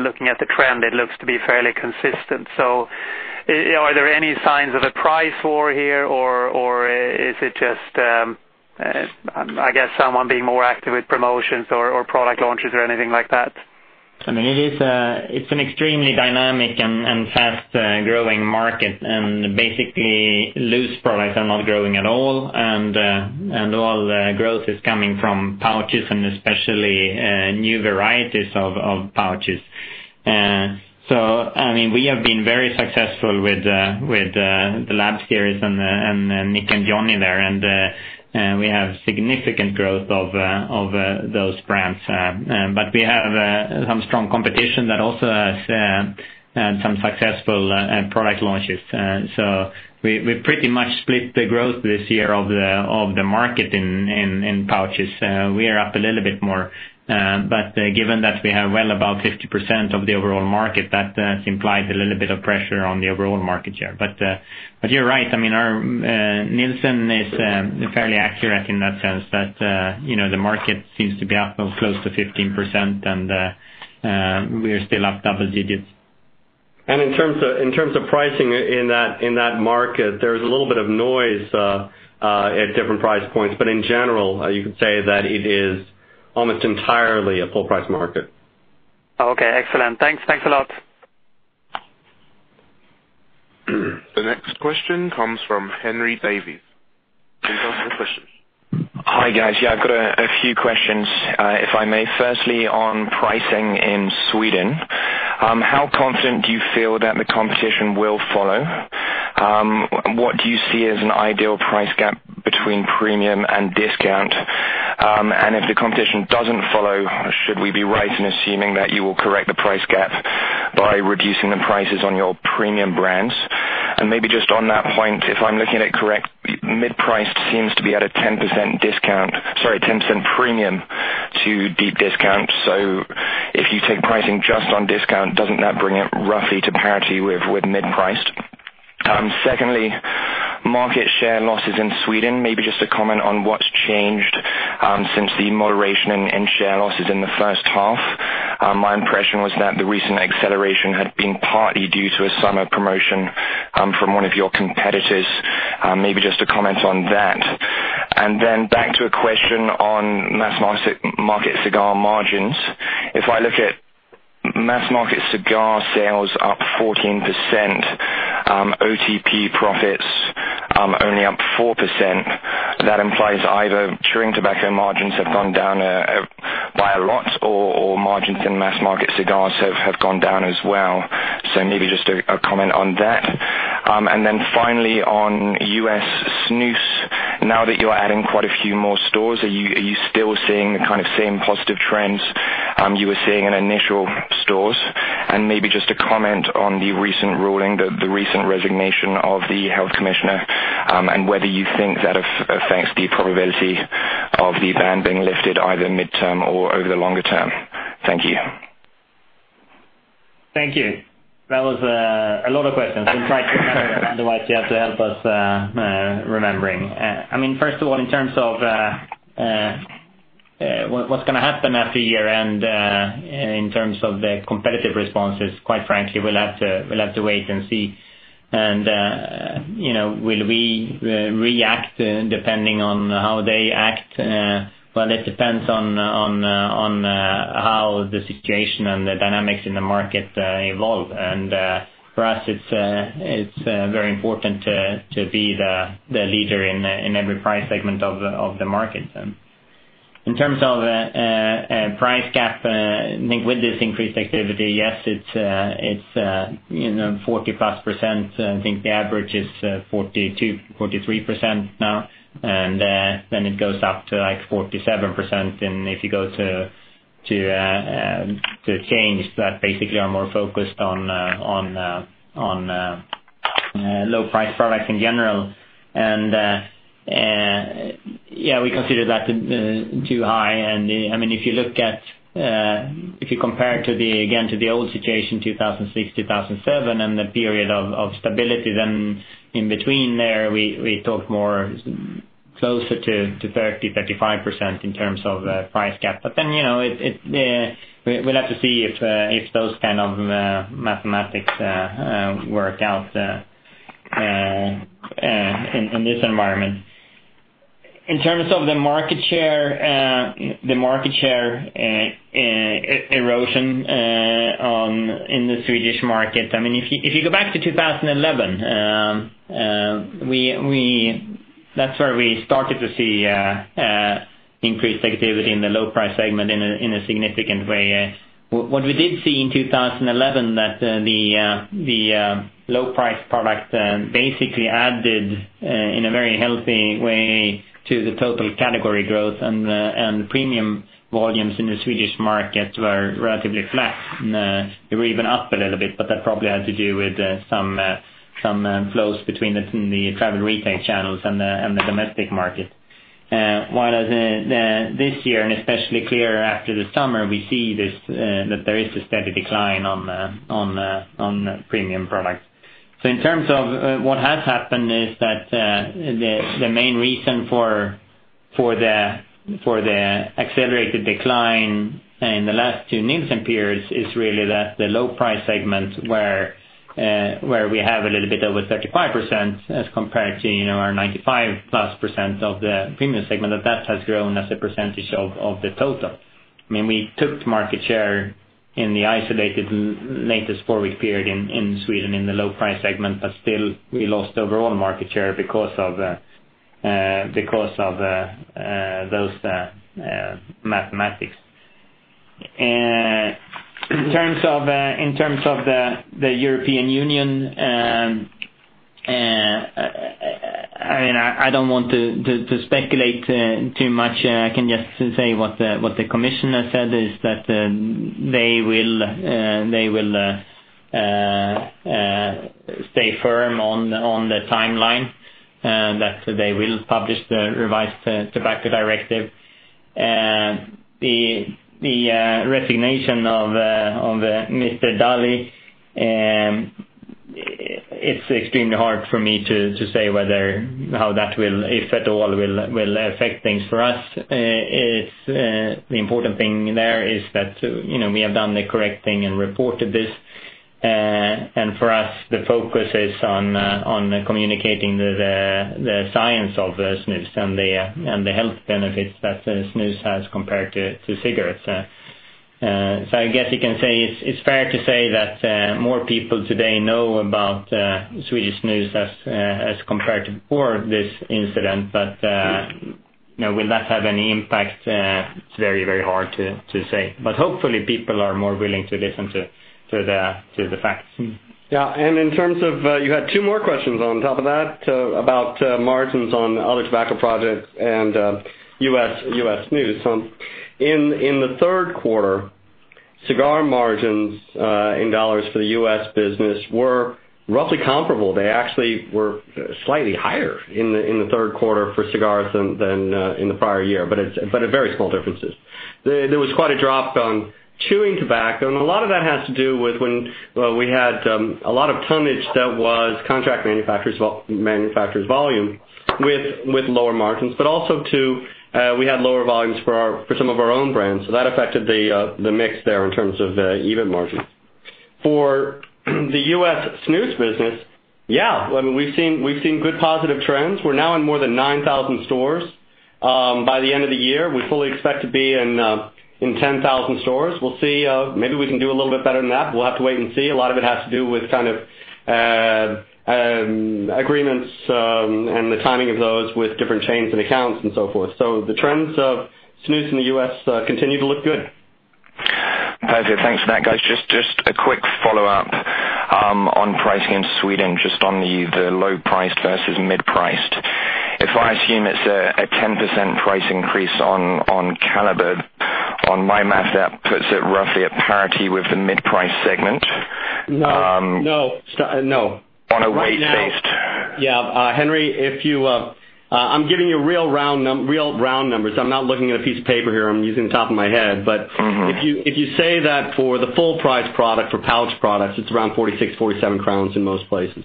S10: looking at the trend, it looks to be fairly consistent. Are there any signs of a price war here, or is it just, I guess, someone being more active with promotions or product launches or anything like that?
S3: I mean, it's an extremely dynamic and fast-growing market, basically loose products are not growing at all. All the growth is coming from pouches and especially new varieties of pouches. We have been very successful with The Lab Series and Nick and Johnny there, and we have significant growth of those brands. We have some strong competition that also has some successful product launches. We pretty much split the growth this year of the market in pouches. We are up a little bit more. Given that we have well above 50% of the overall market, that implies a little bit of pressure on the overall market share. You're right, our Nielsen is fairly accurate in that sense that the market seems to be up close to 15% and we are still up double digits.
S2: In terms of pricing in that market, there's a little bit of noise at different price points, in general, you could say that it is almost entirely a full price market.
S10: Okay, excellent. Thanks a lot.
S1: The next question comes from Henry Davies from Bernstein Research.
S11: Hi, guys. I've got a few questions, if I may. Firstly, on pricing in Sweden, how confident do you feel that the competition will follow? What do you see as an ideal price gap between premium and discount? If the competition doesn't follow, should we be right in assuming that you will correct the price gap by reducing the prices on your premium brands? Maybe just on that point, if I'm looking at it correct, mid-priced seems to be at a 10% premium to deep discount. If you take pricing just on discount, doesn't that bring it roughly to parity with mid-priced? Secondly, market share losses in Sweden. Maybe just a comment on what's changed since the moderation in share losses in the first half. My impression was that the recent acceleration had been partly due to a summer promotion from one of your competitors. Maybe just to comment on that. Back to a question on mass market cigar margins. If I look at mass market cigar sales up 14%, OTP profits only up 4%, that implies either chewing tobacco margins have gone down by a lot or margins in mass market cigars have gone down as well. Maybe just a comment on that. Finally on U.S. snus. Now that you're adding quite a few more stores, are you still seeing the same positive trends you were seeing in initial stores? Maybe just a comment on the recent ruling, the recent resignation of the health commissioner, and whether you think that affects the probability of the ban being lifted either midterm or over the longer term. Thank you.
S3: Thank you. That was a lot of questions. I'm glad you remembered otherwise you have to help us remembering. First of all, in terms of what's going to happen after year-end, in terms of the competitive responses, quite frankly, we'll have to wait and see. Will we react depending on how they act? It depends on how the situation and the dynamics in the market evolve. For us, it's very important to be the leader in every price segment of the market. In terms of price gap, Nik, with this increased activity, yes, it's 40+%. I think the average is 42%-43% now, then it goes up to like 47% if you go to chains that basically are more focused on low price products in general. We consider that too high. If you compare again to the old situation, 2006-2007, and the period of stability then in between there, we talked more closer to 30%-35% in terms of price gap. We'll have to see if those kind of mathematics work out in this environment. In terms of the market share erosion in the Swedish market, if you go back to 2011, that's where we started to see increased activity in the low price segment in a significant way. What we did see in 2011 that the low price product basically added, in a very healthy way, to the total category growth and the premium volumes in the Swedish market were relatively flat. They were even up a little bit, but that probably had to do with some flows between the travel retail channels and the domestic market. While this year, and especially clear after the summer, we see that there is a steady decline on premium products. In terms of what has happened is that the main reason for the accelerated decline in the last 2 Nielsen periods is really that the low price segments where we have a little bit over 35% as compared to our 95% plus of the premium segment, that has grown as a percentage of the total. We took market share in the isolated latest four-week period in Sweden in the low price segment, but still we lost overall market share because of those mathematics. In terms of the European Union, I don't want to speculate too much. I can just say what the commissioner said is that they will stay firm on the timeline, that they will publish the revised Tobacco Directive. The resignation of Mr. Dalli, it's extremely hard for me to say how that will, if at all, will affect things for us. The important thing there is that we have done the correct thing and reported this. For us, the focus is on communicating the science of the snus and the health benefits that the snus has compared to cigarettes. I guess you can say, it's fair to say that more people today know about Swedish snus as compared to before this incident. Will that have any impact? It's very hard to say. Hopefully people are more willing to listen to the facts.
S2: In terms of, you had 2 more questions on top of that, about margins on other tobacco products and U.S. snus. In the third quarter, cigar margins in dollars for the U.S. business were roughly comparable. They actually were slightly higher in the third quarter for cigars than in the prior year, but at very small differences. There was quite a drop on chewing tobacco, and a lot of that has to do with when we had a lot of tonnage that was contract manufacturer's volume with lower margins. Also too, we had lower volumes for some of our own brands. That affected the mix there in terms of EBIT margins. For the U.S. snus business, we've seen good positive trends. We're now in more than 9,000 stores. By the end of the year, we fully expect to be in 10,000 stores. We'll see. Maybe we can do a little bit better than that. We'll have to wait and see. A lot of it has to do with agreements and the timing of those with different chains and accounts and so forth. The trends of snus in the U.S. continue to look good.
S11: Perfect. Thanks for that, guys. Just a quick follow-up on pricing in Sweden, just on the low priced versus mid-priced. If I assume it is a 10% price increase on Kaliber, on my math, that puts it roughly at parity with the mid-price segment-
S2: No
S11: on a weight based.
S2: Yeah. Henry, I am giving you real round numbers. I am not looking at a piece of paper here. I am using the top of my head. If you say that for the full price product, for pouch products, it is around 46, 47 crowns in most places.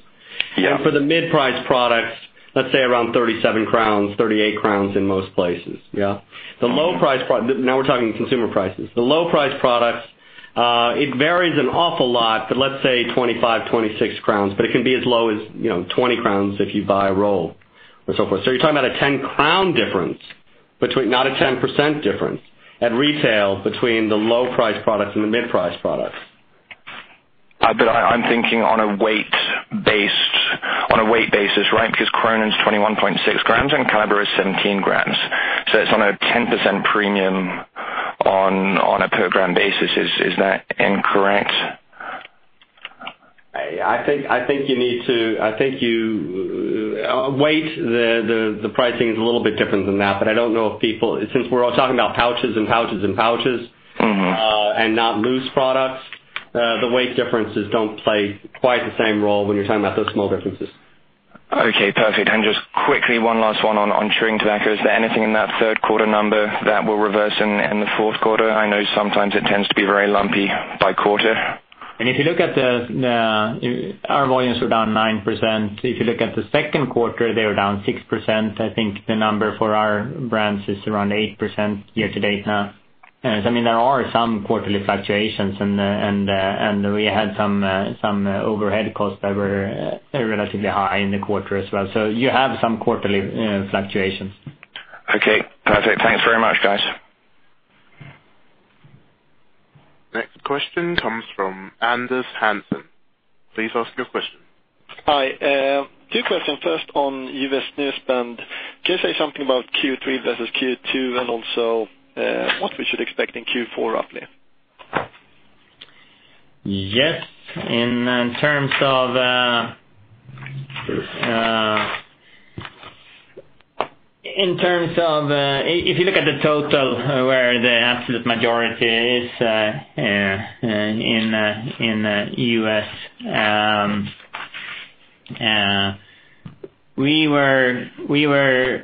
S11: Yeah.
S2: For the mid-price products, let's say around 37 crowns, 38 crowns in most places. Yeah. Now we're talking consumer prices. The low price products, it varies an awful lot, but let's say 25, 26 crowns, but it can be as low as 20 crowns if you buy a roll or so forth. You're talking about a 10 crown difference, not a 10% difference at retail between the low price products and the mid-price products.
S11: I'm thinking on a weight basis, right? Because Kronan is 21.6 grams and Kaliber is 17 grams. It's on a 10% premium on a per gram basis. Is that incorrect?
S2: Weight, the pricing is a little bit different than that, but I don't know. Since we're all talking about pouches. Not loose products, the weight differences don't play quite the same role when you're talking about those small differences.
S11: Okay, perfect. Just quickly, one last one on chewing tobacco. Is there anything in that third quarter number that will reverse in the fourth quarter? I know sometimes it tends to be very lumpy by quarter.
S3: If you look at our volumes were down 9%. If you look at the second quarter, they were down 6%. I think the number for our brands is around 8% year to date now. There are some quarterly fluctuations, and we had some overhead costs that were relatively high in the quarter as well. You have some quarterly fluctuations.
S11: Okay, perfect. Thanks very much, guys.
S1: Next question comes from Anders Hansson. Please ask your question.
S12: Hi. Two questions. First on U.S. snus. Can you say something about Q3 versus Q2, and also what we should expect in Q4 roughly?
S3: Yes. If you look at the total, where the absolute majority is in U.S., we were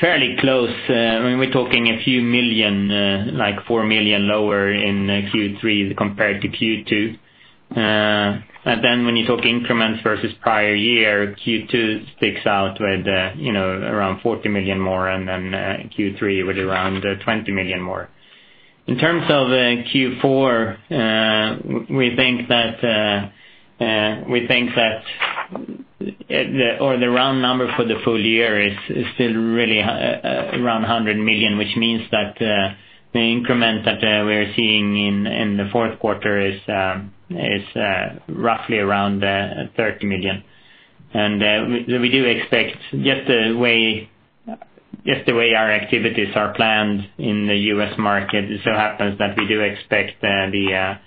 S3: fairly close. We're talking a few million, like four million lower in Q3 compared to Q2. When you talk increments versus prior year, Q2 sticks out with around 40 million more, Q3 with around 20 million more. In terms of Q4, we think that the round number for the full year is still really around 100 million, which means that the increment that we're seeing in the fourth quarter is roughly around 30 million. We do expect, just the way our activities are planned in the U.S. market, it so happens that we do expect the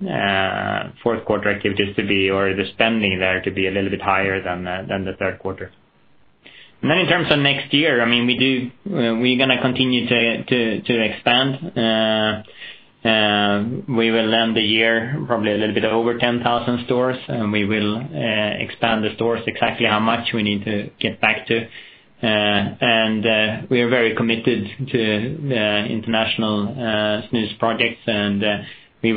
S3: fourth quarter activities or the spending there to be a little bit higher than the third quarter. In terms of next year, we're going to continue to expand. We will end the year probably a little bit over 10,000 stores. We will expand the stores exactly how much we need to get back to. We are very committed to the international snus projects. The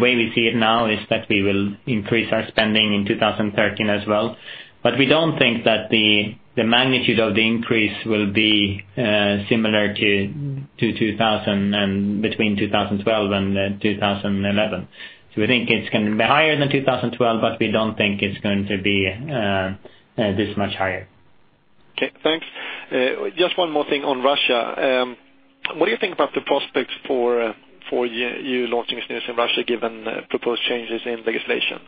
S3: way we see it now is that we will increase our spending in 2013 as well. We don't think that the magnitude of the increase will be similar between 2012 and 2011. We think it's going to be higher than 2012, but we don't think it's going to be this much higher.
S12: Okay. Thanks. Just one more thing on Russia. What do you think about the prospects for you launching snus in Russia, given proposed changes in legislation?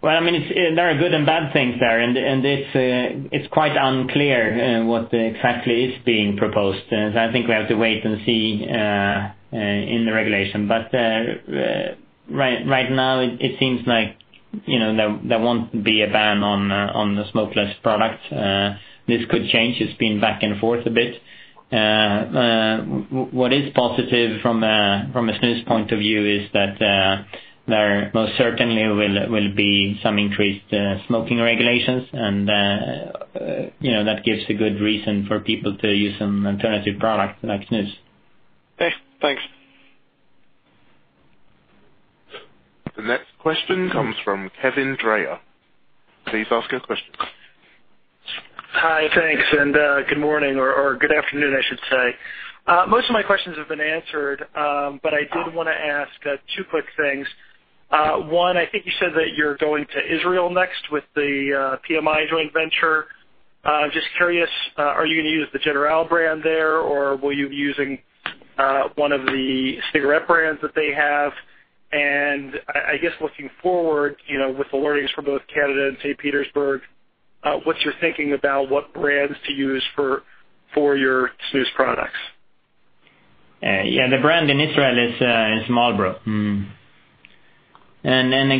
S3: Well, there are good and bad things there, and it's quite unclear what exactly is being proposed. I think we have to wait and see in the regulation. Right now, it seems like there won't be a ban on the smokeless products. This could change. It's been back and forth a bit. What is positive from a snus point of view is that there most certainly will be some increased smoking regulations, and that gives a good reason for people to use an alternative product like snus.
S12: Okay. Thanks.
S1: The next question comes from Kevin Dreyer. Please ask your question.
S13: Hi. Thanks, and good morning, or good afternoon, I should say. Most of my questions have been answered. I did want to ask two quick things. One, I think you said that you're going to Israel next with the PMI joint venture. Just curious, are you going to use the General brand there, or will you be using one of the cigarette brands that they have? I guess looking forward, with the learnings from both Canada and St. Petersburg, what's your thinking about what brands to use for your snus products?
S3: Yeah, the brand in Israel is Marlboro.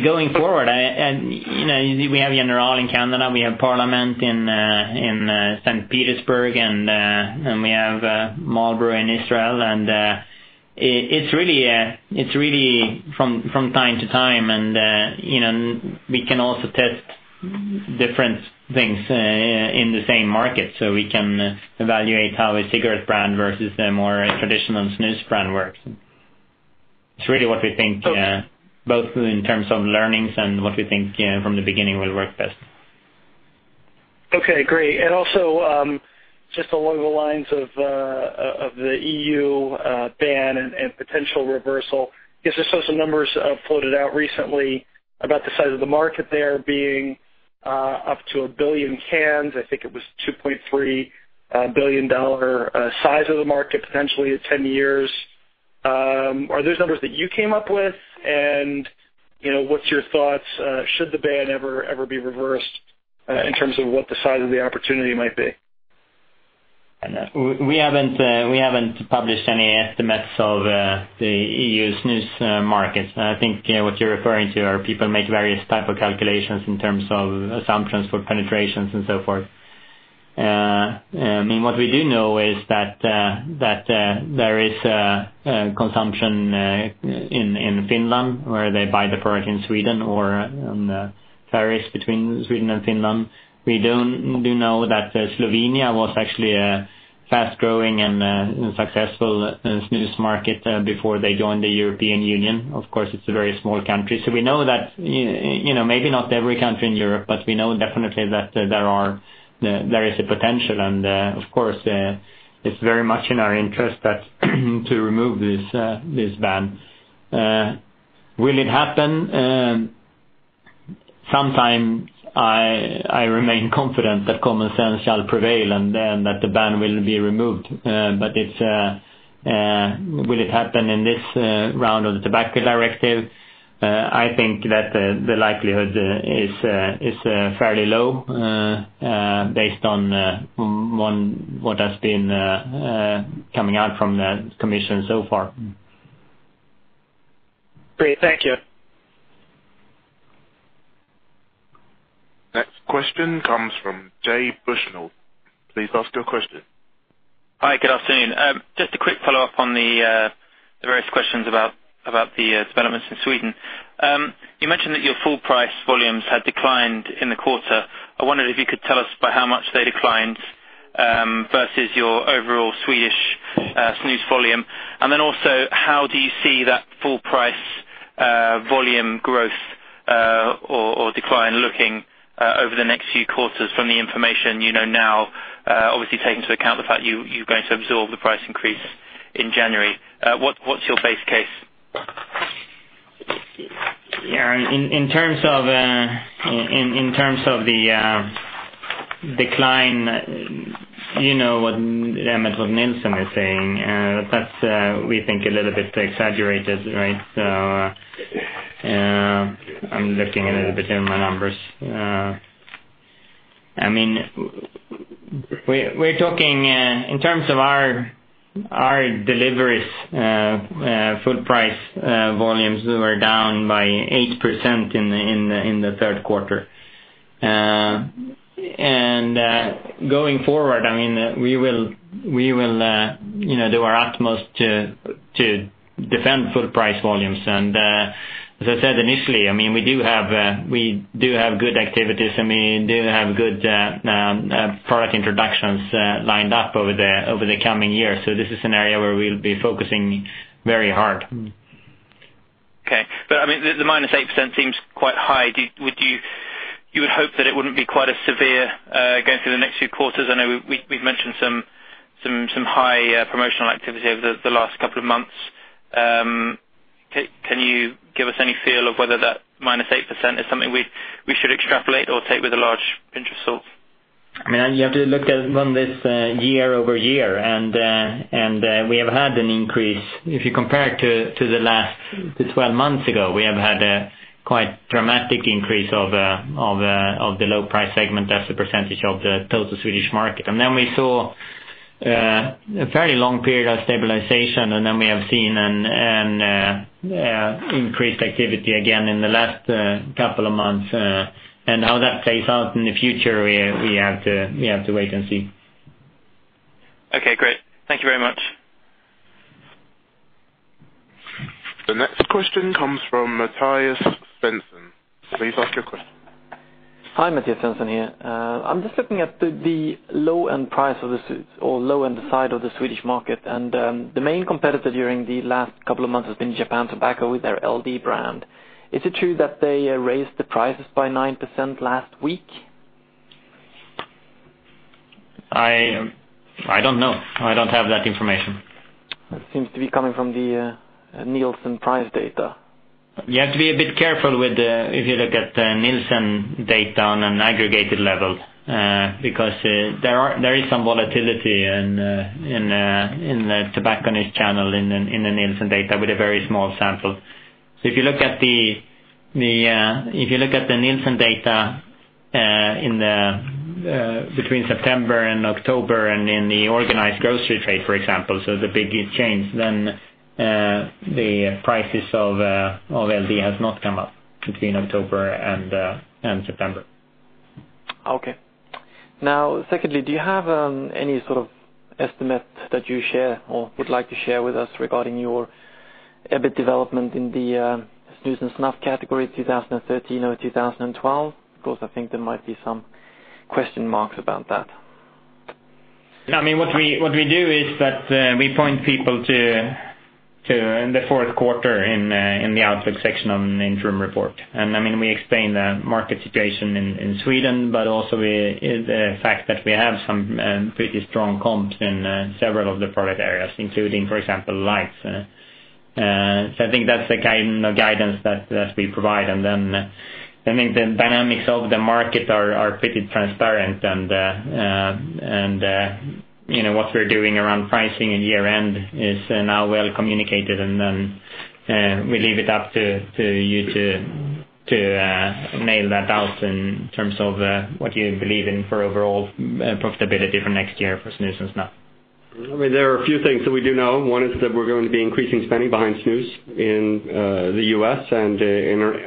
S3: Going forward, we have General in Canada, we have Parliament in St. Petersburg, and we have Marlboro in Israel. It's really from time to time, and we can also test different things in the same market. We can evaluate how a cigarette brand versus a more traditional snus brand works. It's really what we think both in terms of learnings and what we think from the beginning will work best.
S13: Okay, great. Also, just along the lines of the EU ban and potential reversal, I guess I saw some numbers floated out recently about the size of the market there being up to a billion cans. I think it was a SEK 2.3 billion size of the market, potentially at 10 years. Are those numbers that you came up with? What's your thoughts, should the ban ever be reversed in terms of what the size of the opportunity might be?
S3: We haven't published any estimates of the EU snus market. I think what you're referring to are people make various type of calculations in terms of assumptions for penetrations and so forth. What we do know is that there is consumption in Finland where they buy the product in Sweden or on the ferries between Sweden and Finland. We do know that Slovenia was actually a fast-growing and successful snus market before they joined the European Union. Of course, it's a very small country. We know that maybe not every country in Europe, but we know definitely that there is a potential. Of course, it's very much in our interest that to remove this ban. Will it happen? Sometime I remain confident that common sense shall prevail and that the ban will be removed. Will it happen in this round of the Tobacco Products Directive? I think that the likelihood is fairly low based on what has been coming out from the commission so far.
S13: Great. Thank you.
S1: Next question comes from James Bushnell. Please ask your question.
S14: Hi, good afternoon. Just a quick follow-up on the various questions about the developments in Sweden. You mentioned that your full price volumes had declined in the quarter. I wondered if you could tell us by how much they declined, versus your overall Swedish snus volume. Also, how do you see that full price volume growth or decline looking over the next few quarters from the information you know now, obviously taking into account the fact you're going to absorb the price increase in January. What's your base case?
S3: Yeah. In terms of the decline, you know what Emil Nilsson is saying. That's, we think a little bit exaggerated, right? I'm looking a little bit in my numbers. We're talking in terms of our deliveries, full price volumes were down by 8% in the third quarter. Going forward, we will do our utmost to defend full price volumes. As I said initially, we do have good activities and we do have good product introductions lined up over the coming year. This is an area where we'll be focusing very hard.
S14: Okay. The minus 8% seems quite high. You would hope that it wouldn't be quite as severe, going through the next few quarters. I know we've mentioned some high promotional activity over the last couple of months. Can you give us any feel of whether that minus 8% is something we should extrapolate or take with a large pinch of salt?
S3: You have to look at this year-over-year, and we have had an increase. If you compare it to 12 months ago, we have had a quite dramatic increase of the low price segment as a percentage of the total Swedish market. We saw a fairly long period of stabilization, and then we have seen an increased activity again in the last couple of months. How that plays out in the future, we have to wait and see.
S14: Okay, great. Thank you very much.
S1: The next question comes from Mathias Svensson. Please ask your question.
S15: Hi, Mathias Svensson here. I'm just looking at the low-end price of the snus or low-end side of the Swedish market. The main competitor during the last couple of months has been Japan Tobacco with their LD brand. Is it true that they raised the prices by 9% last week?
S3: I don't know. I don't have that information.
S15: That seems to be coming from the Nielsen price data.
S3: You have to be a bit careful if you look at the Nielsen data on an aggregated level, because there is some volatility in the tobacconist channel in the Nielsen data with a very small sample. If you look at the Nielsen data between September and October and in the organized grocery trade, for example, so the biggest change, then the prices of LD has not come up between October and September.
S15: Okay. Secondly, do you have any sort of estimate that you share or would like to share with us regarding your EBIT development in the snus and snuff category 2013 over 2012? I think there might be some question marks about that.
S3: What we do is that we point people to the fourth quarter in the outlook section on the interim report. We explain the market situation in Sweden, but also the fact that we have some pretty strong comps in several of the product areas, including, for example, lights. I think that's the kind of guidance that we provide. Then I think the dynamics of the market are pretty transparent and what we're doing around pricing and year-end is now well communicated, and then we leave it up to you to nail that out in terms of what you believe in for overall profitability for next year for snus and snuff.
S2: There are a few things that we do know. One is that we're going to be increasing spending behind snus in the U.S. and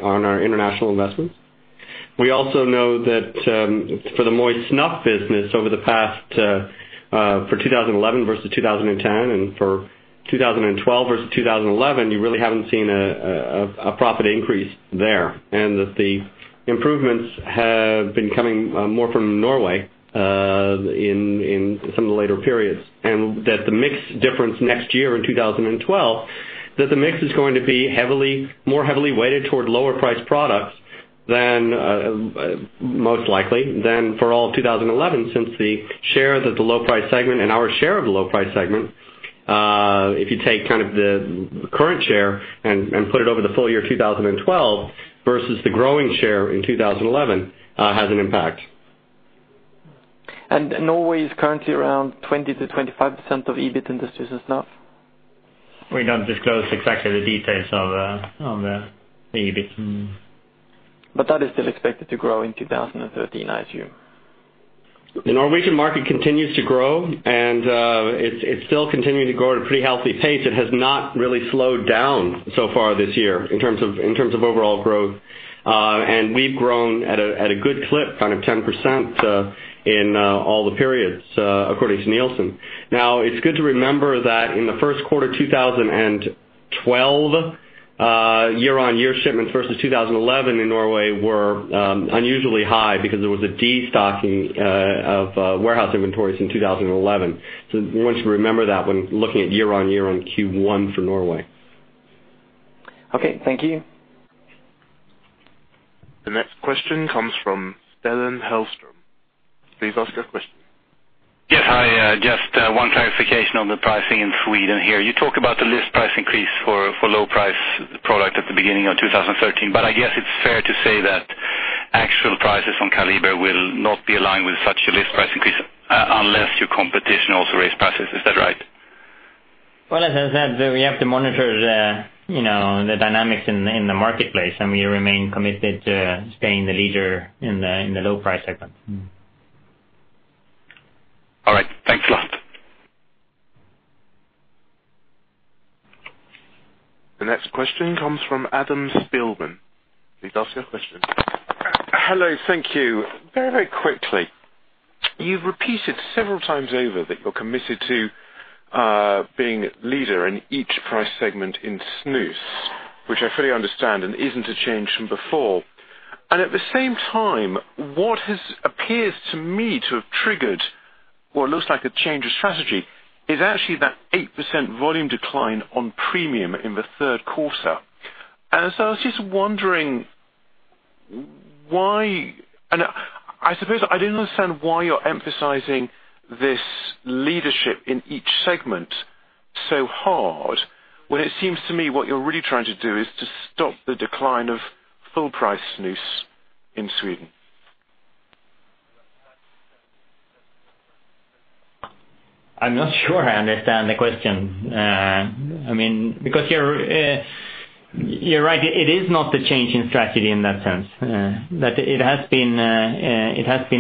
S2: on our international investments. We also know that for the moist snuff business for 2011 versus 2010, and for 2012 versus 2011, you really haven't seen a profit increase there, and that the improvements have been coming more from Norway in some of the later periods, and that the mix difference next year in 2012, that the mix is going to be more heavily weighted toward lower priced products, most likely, than for all of 2011, since the share that the low price segment and our share of the low price segment, if you take the current share and put it over the full year 2012 versus the growing share in 2011, has an impact.
S15: Norway is currently around 20%-25% of EBIT in the snus business?
S3: We don't disclose exactly the details of the EBIT.
S15: That is still expected to grow in 2013, I assume.
S2: The Norwegian market continues to grow, and it's still continuing to grow at a pretty healthy pace. It has not really slowed down so far this year in terms of overall growth. We've grown at a good clip, 10% in all the periods, according to Nielsen. Now, it's good to remember that in the first quarter 2012, year-on-year shipments versus 2011 in Norway were unusually high because there was a de-stocking of warehouse inventories in 2011. We want you to remember that when looking at year-on-year on Q1 for Norway.
S15: Okay, thank you.
S1: The next question comes from Stellan Hellström. Please ask your question.
S5: Yes. Hi. Just one clarification on the pricing in Sweden here. You talk about the list price increase for low price product at the beginning of 2013. I guess it is fair to say that actual prices on Kaliber will not be aligned with such a list price increase unless your competition also raise prices. Is that right?
S3: Well, as I said, we have to monitor the dynamics in the marketplace. We remain committed to staying the leader in the low price segment.
S5: All right. Thanks a lot.
S1: The next question comes from Adam Spielman. Please ask your question.
S7: Hello, thank you. Very quickly, you've repeated several times over that you're committed to being leader in each price segment in snus, which I fully understand and isn't a change from before. At the same time, what has appeared to me to have triggered what looks like a change of strategy is actually that 8% volume decline on premium in the third quarter. I was just wondering, I suppose I don't understand why you're emphasizing this leadership in each segment so hard when it seems to me what you're really trying to do is to stop the decline of full price snus in Sweden.
S3: I'm not sure I understand the question. You're right, it is not a change in strategy in that sense. That it has been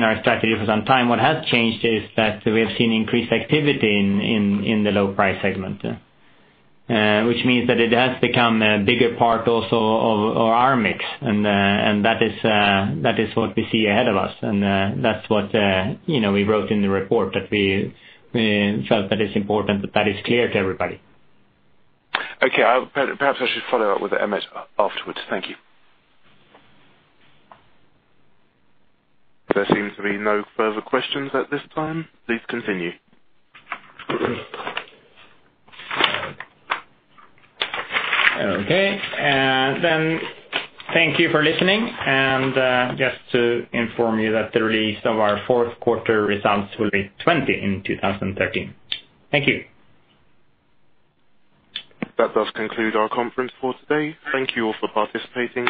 S3: our strategy for some time. What has changed is that we have seen increased activity in the low price segment. Which means that it has become a bigger part also of our mix, and that is what we see ahead of us. That's what we wrote in the report that we felt that it's important that that is clear to everybody.
S7: Okay. Perhaps I should follow up with Emmett afterwards. Thank you.
S1: There seems to be no further questions at this time. Please continue.
S3: Okay. Thank you for listening, and just to inform you that the release of our fourth quarter results will be 20 in 2013. Thank you.
S1: That does conclude our conference for today. Thank you all for participating.